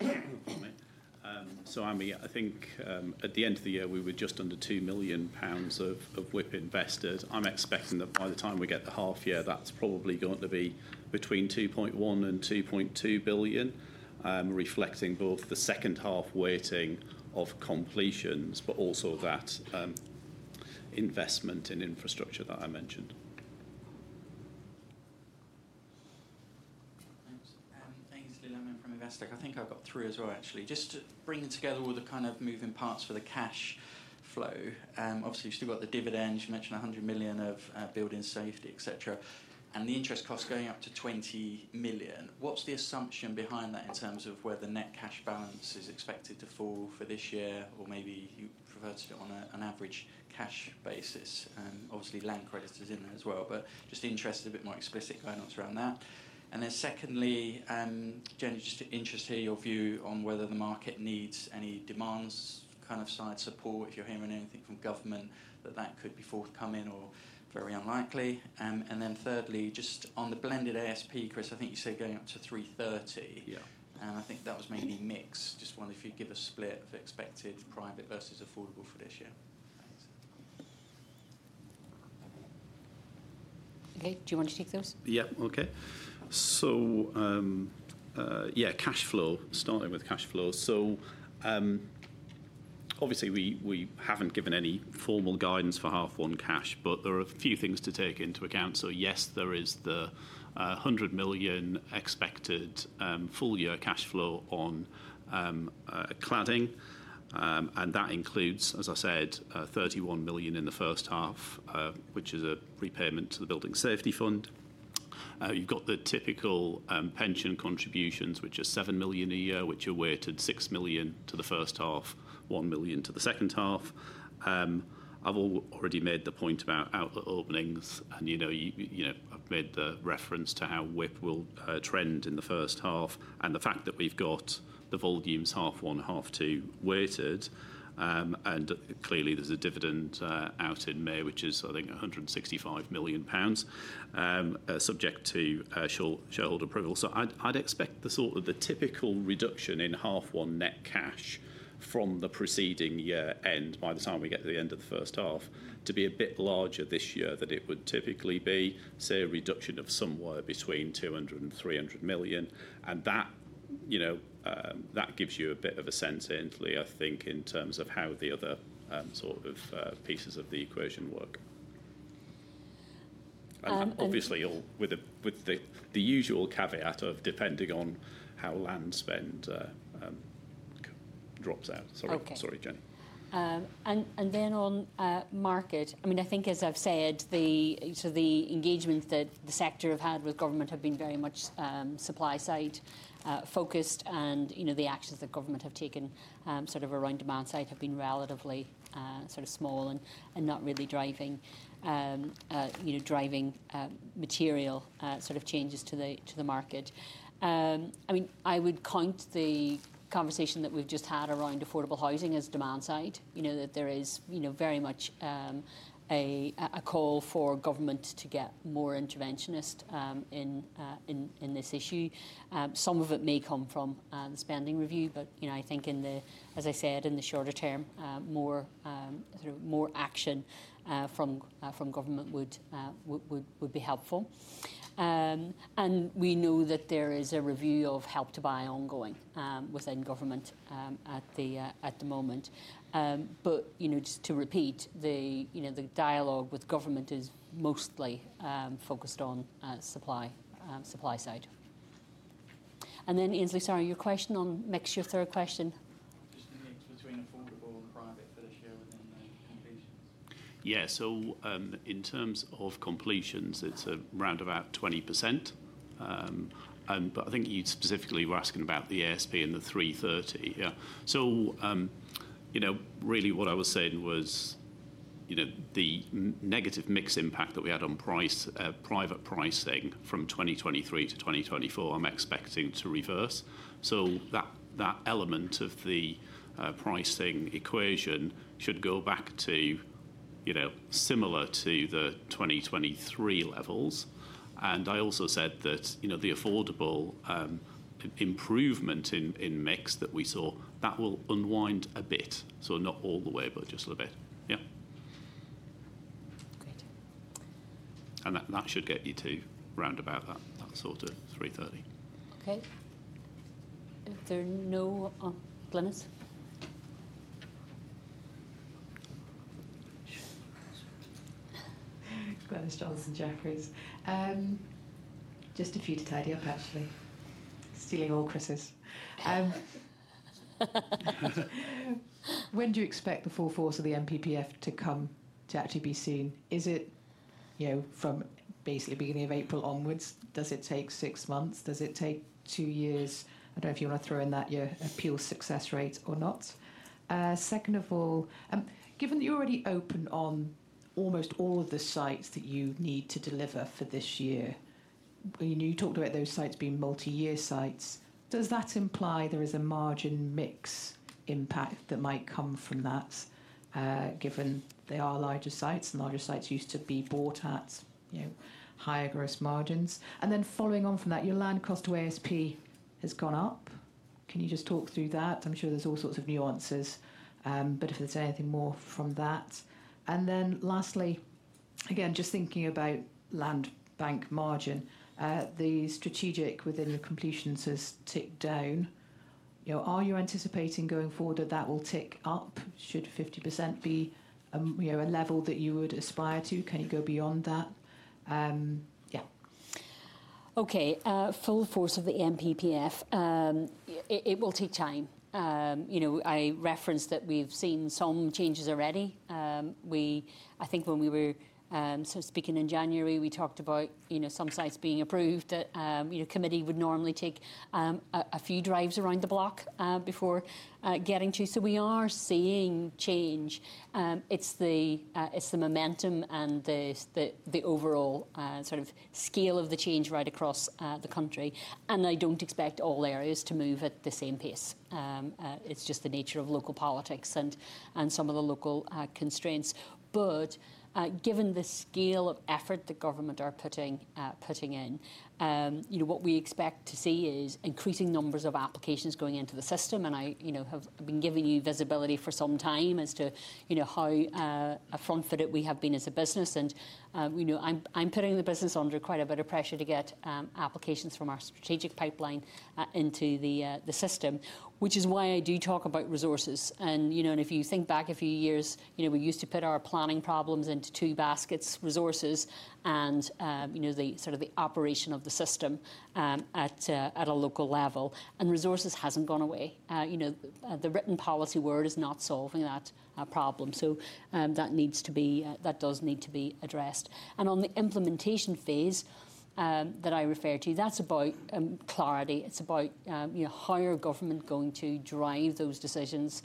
sorry. So, Ami, I think at the end of the year, we were just under 2 million pounds of WIP investment. I'm expecting that by the time we get the half year, that's probably going to be between 2.1 billion and 2.2 billion, reflecting both the second half weighting of completions but also that investment in infrastructure that I mentioned. Thanks, Aynsley Lammin from Investec. I think I've got three as well, actually. Just to bring together all the kind of moving parts for the cash flow. Obviously, you've still got the dividends. You mentioned 100 million of building safety, etc., and the interest cost going up to 20 million. What's the assumption behind that in terms of where the net cash balance is expected to fall for this year, or maybe you've reverted it on an average cash basis? And obviously, land credit is in there as well, but just interested, a bit more explicit guidance around that. And then secondly, generally just interest here, your view on whether the market needs any demands kind of side support. If you're hearing anything from government that that could be forthcoming or very unlikely. And then thirdly, just on the blended ASP, Chris, I think you said going up to 330. Yeah. And I think that was mainly mixed. Just wonder if you'd give a split of expected private versus affordable for this year. Thanks. Okay. Do you want to take those? Yeah. Okay. So, yeah, cash flow, starting with cash flow. So, obviously, we haven't given any formal guidance for half one cash, but there are a few things to take into account. So yes, there is the 100 million expected full year cash flow on cladding, and that includes, as I said, 31 million in the first half, which is a repayment to the Building Safety Fund. You've got the typical pension contributions, which are 7 million a year, which are weighted 6 million to the first half, 1 million to the second half. I've already made the point about outlet openings, and you know, you know, I've made the reference to how WIP will trend in the first half and the fact that we've got the volumes half one, half two weighted. Clearly there's a dividend out in May, which is, I think, 165 million pounds, subject to shareholder approval. So I'd expect the sort of typical reduction in half one net cash from the preceding year-end by the time we get to the end of the first half to be a bit larger this year than it would typically be. Say a reduction of somewhere between 200 million and 300 million. And that, you know, gives you a bit of a sense initially, I think, in terms of how the other sort of pieces of the equation work. And obviously all with the usual caveat of depending on how land spend drops out. Sorry. Okay. Sorry, Jennie. And then on market, I mean, I think as I've said, so the engagements that the sector have had with government have been very much supply side focused. You know, the actions that government have taken sort of around demand side have been relatively sort of small and not really driving you know material sort of changes to the market. I mean, I would count the conversation that we've just had around affordable housing as demand side, you know that there is you know very much a call for government to get more interventionist in this issue. Some of it may come from the spending review, but you know, I think as I said in the shorter term, sort of more action from government would be helpful. And we know that there is a review of Help to Buy ongoing within government at the, at the moment. But you know, just to repeat, the you know, the dialogue with government is mostly focused on supply, supply side. And then, Aynsley, sorry, your question on mix, your third question. Just the mix between Affordable and private for this year within the completions. Yeah. So in terms of completions, it's around about 20%. But I think you specifically were asking about the ASP and the 330. Yeah. So you know, really what I was saying was you know, the negative mix impact that we had on price, private pricing from 2023 to 2024, I'm expecting to reverse. So that that element of the pricing equation should go back to you know, similar to the 2023 levels. And I also said that, you know, the affordable improvement in mix that we saw, that will unwind a bit. So not all the way, but just a little bit. Yeah. Great. And that should get you to round about that sort of 330. Okay. Glynis? Glynis Johnson, Jefferies. Just a few to tidy up, actually. Stealing all Chris's. When do you expect the full force of the NPPF to come to actually be seen? Is it, you know, from basically beginning of April onwards? Does it take six months? Does it take two years? I don't know if you want to throw in that, your appeal success rate or not. Second of all, given that you're already open on almost all of the sites that you need to deliver for this year, you know, you talked about those sites being multi-year sites. Does that imply there is a margin mix impact that might come from that, given they are larger sites and larger sites used to be bought at, you know, higher gross margins? And then following on from that, your land cost to ASP has gone up. Can you just talk through that? I'm sure there's all sorts of nuances, but if there's anything more from that. And then lastly, again, just thinking about land bank margin, the strategic within the completions has ticked down. You know, are you anticipating going forward that that will tick up? Should 50% be, you know, a level that you would aspire to? Can you go beyond that? Yeah. Okay. Full force of the National Planning Policy Framework, it will take time. You know, I referenced that we've seen some changes already. We, I think when we were sort of speaking in January, we talked about, you know, some sites being approved that, you know, committee would normally take a few drives around the block before getting to. So we are seeing change. It's the momentum and the overall sort of scale of the change right across the country. And I don't expect all areas to move at the same pace. It's just the nature of local politics and some of the local constraints. But given the scale of effort that government are putting in, you know, what we expect to see is increasing numbers of applications going into the system. And I, you know, have been giving you visibility for some time as to, you know, how front-footed we have been as a business. You know, I'm putting the business under quite a bit of pressure to get applications from our strategic pipeline into the system, which is why I do talk about resources. You know, if you think back a few years, you know, we used to put our planning problems into two baskets, resources and you know, the sort of operation of the system at a local level. Resources hasn't gone away. You know, the written policy word is not solving that problem. That needs to be addressed. That does need to be addressed. On the implementation phase that I refer to, that's about clarity. It's about you know, how are government going to drive those decisions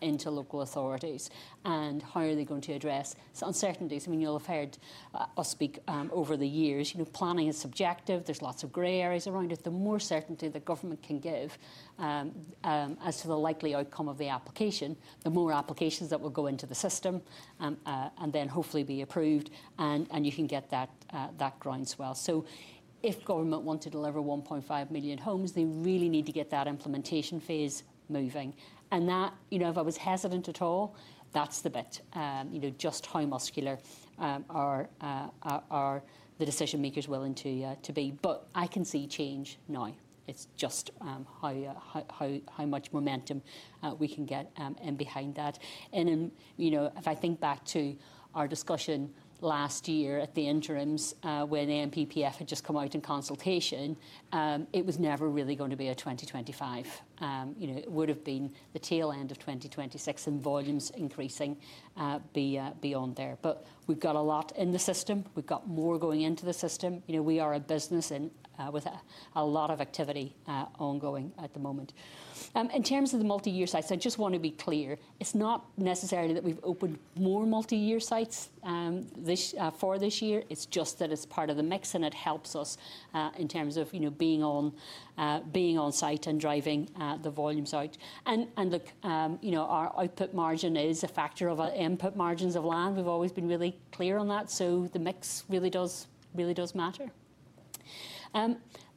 into local authorities and how are they going to address some uncertainties? I mean, you'll have heard us speak, over the years, you know, planning is subjective. There's lots of gray areas around it. The more certainty the government can give, as to the likely outcome of the application, the more applications that will go into the system, and then hopefully be approved, and you can get that groundswell. So if government want to deliver 1.5 million homes, they really need to get that implementation phase moving, and that, you know, if I was hesitant at all, that's the bit, you know, just how muscular are the decision makers willing to be. But I can see change now. It's just, how much momentum we can get behind that. And then, you know, if I think back to our discussion last year at the interims, when the NPPF had just come out in consultation, it was never really going to be a 2025. You know, it would have been the tail end of 2026 and volumes increasing beyond there. But we've got a lot in the system. We've got more going into the system. You know, we are a business in with a lot of activity ongoing at the moment. In terms of the multi-year sites, I just want to be clear. It's not necessarily that we've opened more multi-year sites for this year. It's just that it's part of the mix and it helps us in terms of, you know, being on site and driving the volumes out. And and look, you know, our output margin is a factor of our input margins of land. We've always been really clear on that. So the mix really does, really does matter.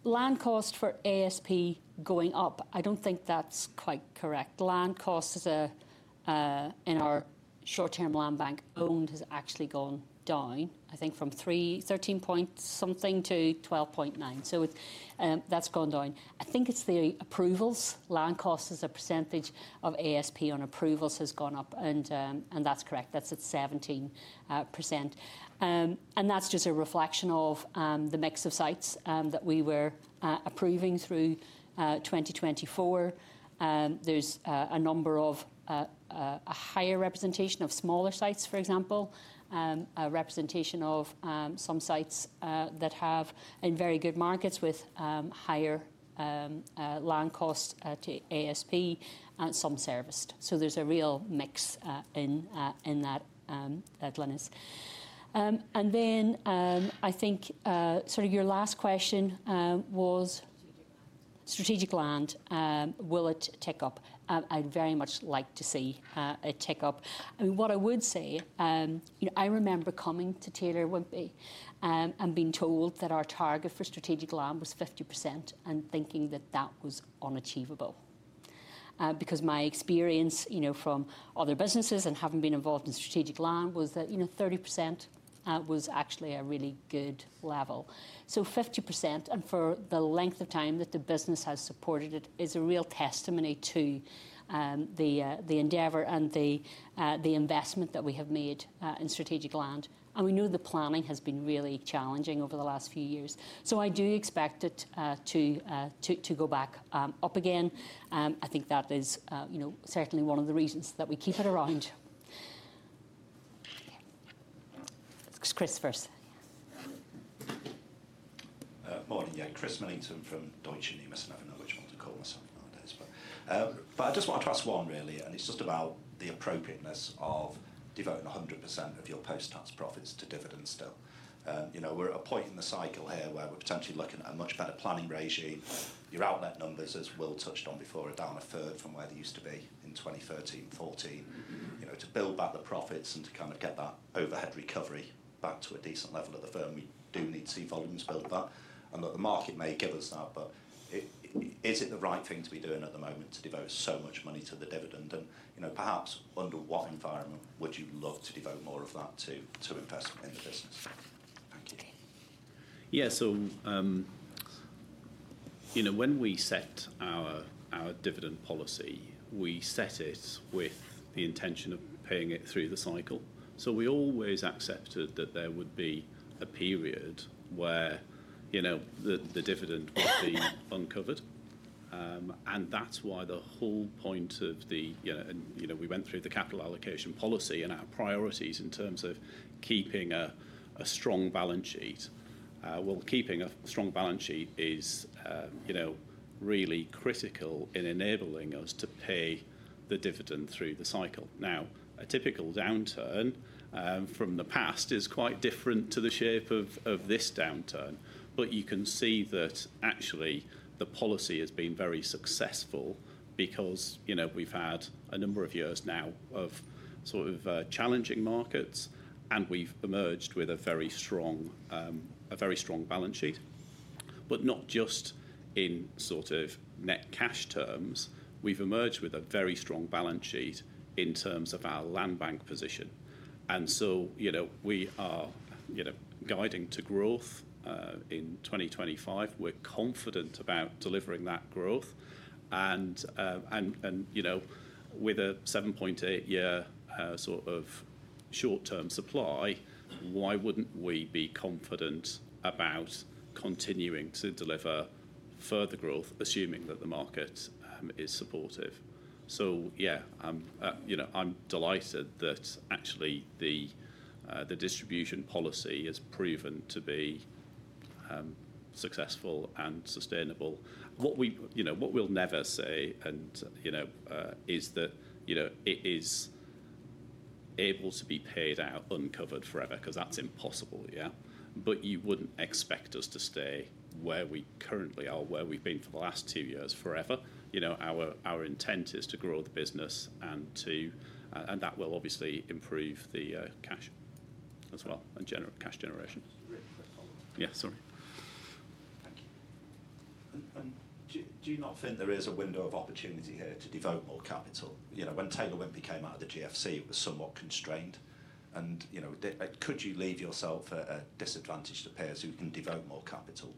Land cost for ASP going up. I don't think that's quite correct. Land cost is a, in our short-term land bank owned has actually gone down, I think from 13 point something to 12.9. So it's, that's gone down. I think it's the approvals. Land cost is a percentage of ASP on approvals has gone up and, and that's correct. That's at 17%. And that's just a reflection of the mix of sites that we were approving through 2024. There's a number of a higher representation of smaller sites, for example, a representation of some sites that have in very good markets with higher land cost to ASP and some serviced. There's a real mix in that at Glynis. And then I think sort of your last question was strategic land, will it tick up? I'd very much like to see it tick up. I mean what I would say you know I remember coming to Taylor Wimpey and being told that our target for strategic land was 50% and thinking that that was unachievable because my experience you know from other businesses and having been involved in strategic land was that you know 30% was actually a really good level. So 50% and for the length of time that the business has supported it is a real testimony to the endeavor and the investment that we have made in strategic land. And we know the planning has been really challenging over the last few years. So I do expect it to go back up again. I think that is, you know, certainly one of the reasons that we keep it around. Chris first. Morning. Yeah. Chris Millington from Deutsche Numis. I don't know which one to call myself nowadays, but I just want to ask one really, and it's just about the appropriateness of devoting 100% of your post-tax profits to dividends still. You know, we're at a point in the cycle here where we're potentially looking at a much better planning regime. Your outlet numbers, as Will touched on before, are down a third from where they used to be in 2013, 2014, you know, to build back the profits and to kind of get that overhead recovery back to a decent level of the firm. We do need to see volumes build back and that the market may give us that, but is it the right thing to be doing at the moment to devote so much money to the dividend? And, you know, perhaps under what environment would you love to devote more of that to, to invest in the business? Thank you. Yeah. So, you know, when we set our, our dividend policy, we set it with the intention of paying it through the cycle. So we always accepted that there would be a period where, you know, the dividend would be uncovered. And that's why the whole point of the, you know, and we went through the capital allocation policy and our priorities in terms of keeping a, a strong balance sheet. Keeping a strong balance sheet is, you know, really critical in enabling us to pay the dividend through the cycle. Now, a typical downturn from the past is quite different to the shape of this downturn, but you can see that actually the policy has been very successful because, you know, we've had a number of years now of sort of challenging markets and we've emerged with a very strong balance sheet. But not just in sort of net cash terms, we've emerged with a very strong balance sheet in terms of our land bank position. And so, you know, we are, you know, guiding to growth in 2025. We're confident about delivering that growth. And you know, with a 7.8-year sort of short-term supply, why wouldn't we be confident about continuing to deliver further growth, assuming that the market is supportive? So, yeah, I'm, you know, I'm delighted that actually the distribution policy has proven to be successful and sustainable. What we, you know, what we'll never say, and you know, is that, you know, it is able to be paid out uncovered forever, because that's impossible. Yeah. But you wouldn't expect us to stay where we currently are, where we've been for the last two years forever. You know, our intent is to grow the business and to, and that will obviously improve the cash as well and cash generation. Yeah. Sorry. Thank you. And do you not think there is a window of opportunity here to devote more capital? You know, when Taylor Wimpey came out of the GFC, it was somewhat constrained. You know, could you leave yourself a disadvantage to players who can devote more capital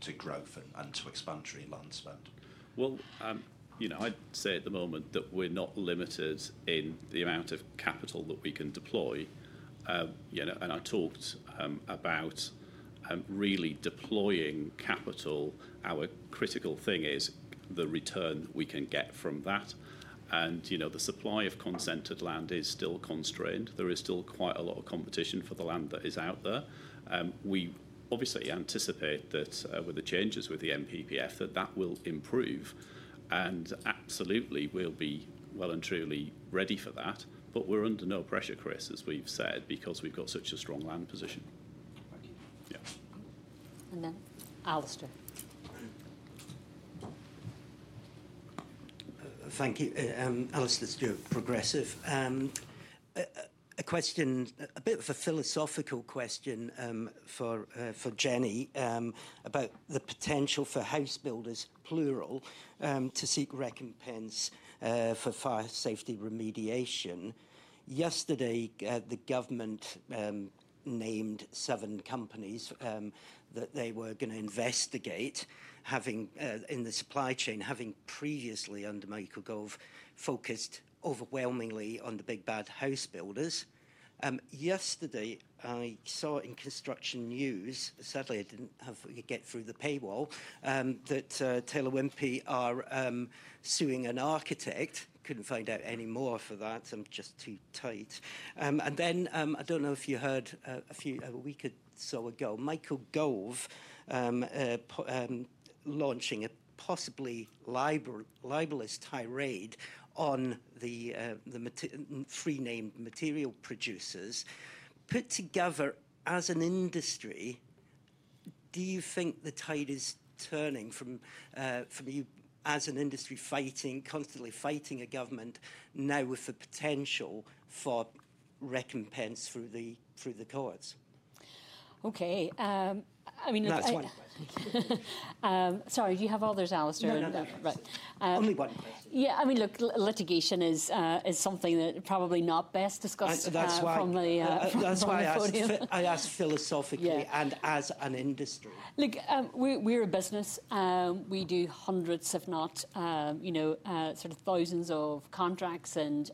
to growth and, and to expansionary land s pend? You know, I'd say at the moment that we're not limited in the amount of capital that we can deploy. You know, and I talked about really deploying capital. Our critical thing is the return we can get from that. You know, the supply of consented land is still constrained. There is still quite a lot of competition for the land that is out there. We obviously anticipate that, with the changes with the NPPF, that that will improve. Absolutely we'll be well and truly ready for that. But we're under no pressure, Chris, as we've said, because we've got such a strong land position. Then Alastair. Thank you. Alastair Stewart, Progressive. A question, a bit of a philosophical question, for Jennie, about the potential for house builders, plural, to seek recompense for fire safety remediation. Yesterday, the government named seven companies that they were going to investigate, having in the supply chain, having previously under Michael Gove focused overwhelmingly on the big bad house builders. Yesterday I saw in Construction News, sadly I didn't have time to get through the paywall, that Taylor Wimpey are suing an architect. Couldn't find out any more for that. I'm just too tight. And then, I don't know if you heard, a few weeks or so ago, Michael Gove launching a possibly libelous tirade on the three named material producers put together as an industry. Do you think the tide is turning from you as an industry fighting, constantly fighting a government now with the potential for recompense through the courts? Okay. I mean, that's one question. Sorry, do you have others, Alastair? No, no, no. Right. Only one question. Yeah. I mean, look, litigation is something that probably not best discussed from the podium. That's why I asked philosophically and as an industry. Look, we're a business. We do hundreds, if not, you know, sort of thousands of contracts and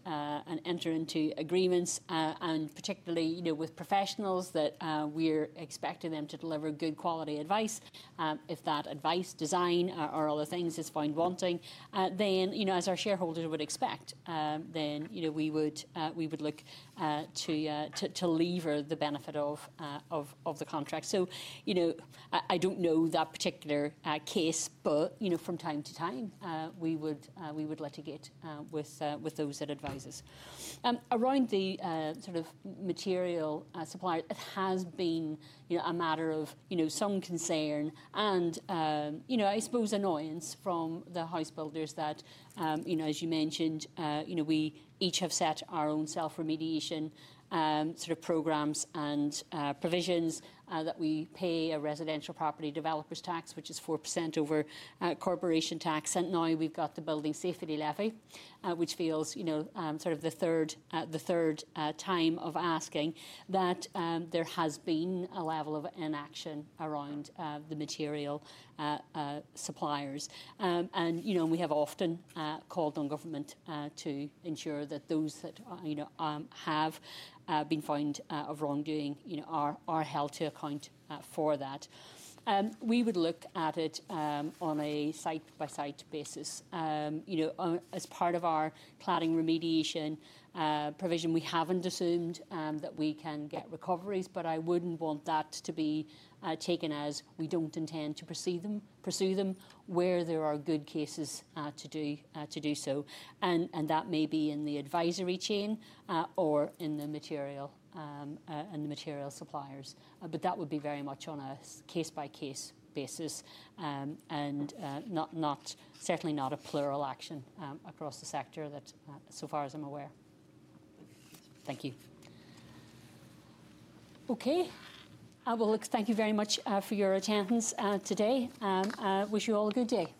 enter into agreements, and particularly, you know, with professionals that we're expecting them to deliver good quality advice. If that advice, design or other things is found wanting, then, you know, as our shareholders would expect, then, you know, we would look to leverage the benefit of the contract. So, you know, I don't know that particular case, but you know, from time to time, we would litigate with those that advise us. Around the sort of material supplier. It has been, you know, a matter of, you know, some concern and, you know, I suppose annoyance from the house builders that, you know, as you mentioned, you know, we each have set our own self-remediation sort of programs and provisions that we pay a Residential Property Developer Tax, which is 4% over corporation tax. And now we've got the Building Safety Levy, which feels, you know, sort of the third time of asking that there has been a level of inaction around the material suppliers. And, you know, we have often called on government to ensure that those that are, you know, have been found of wrongdoing, you know, are held to account for that. We would look at it on a site-by-site basis, you know, as part of our planning remediation provision. We haven't assumed that we can get recoveries, but I wouldn't want that to be taken as we don't intend to pursue them where there are good cases to do so. And that may be in the advisory chain, or in the material and the material suppliers. But that would be very much on a case-by-case basis, and not, certainly not a plural action across the sector that so far as I'm aware. Thank you. Okay. Well, look, thank you very much for your attendance today. Wish you all a good day.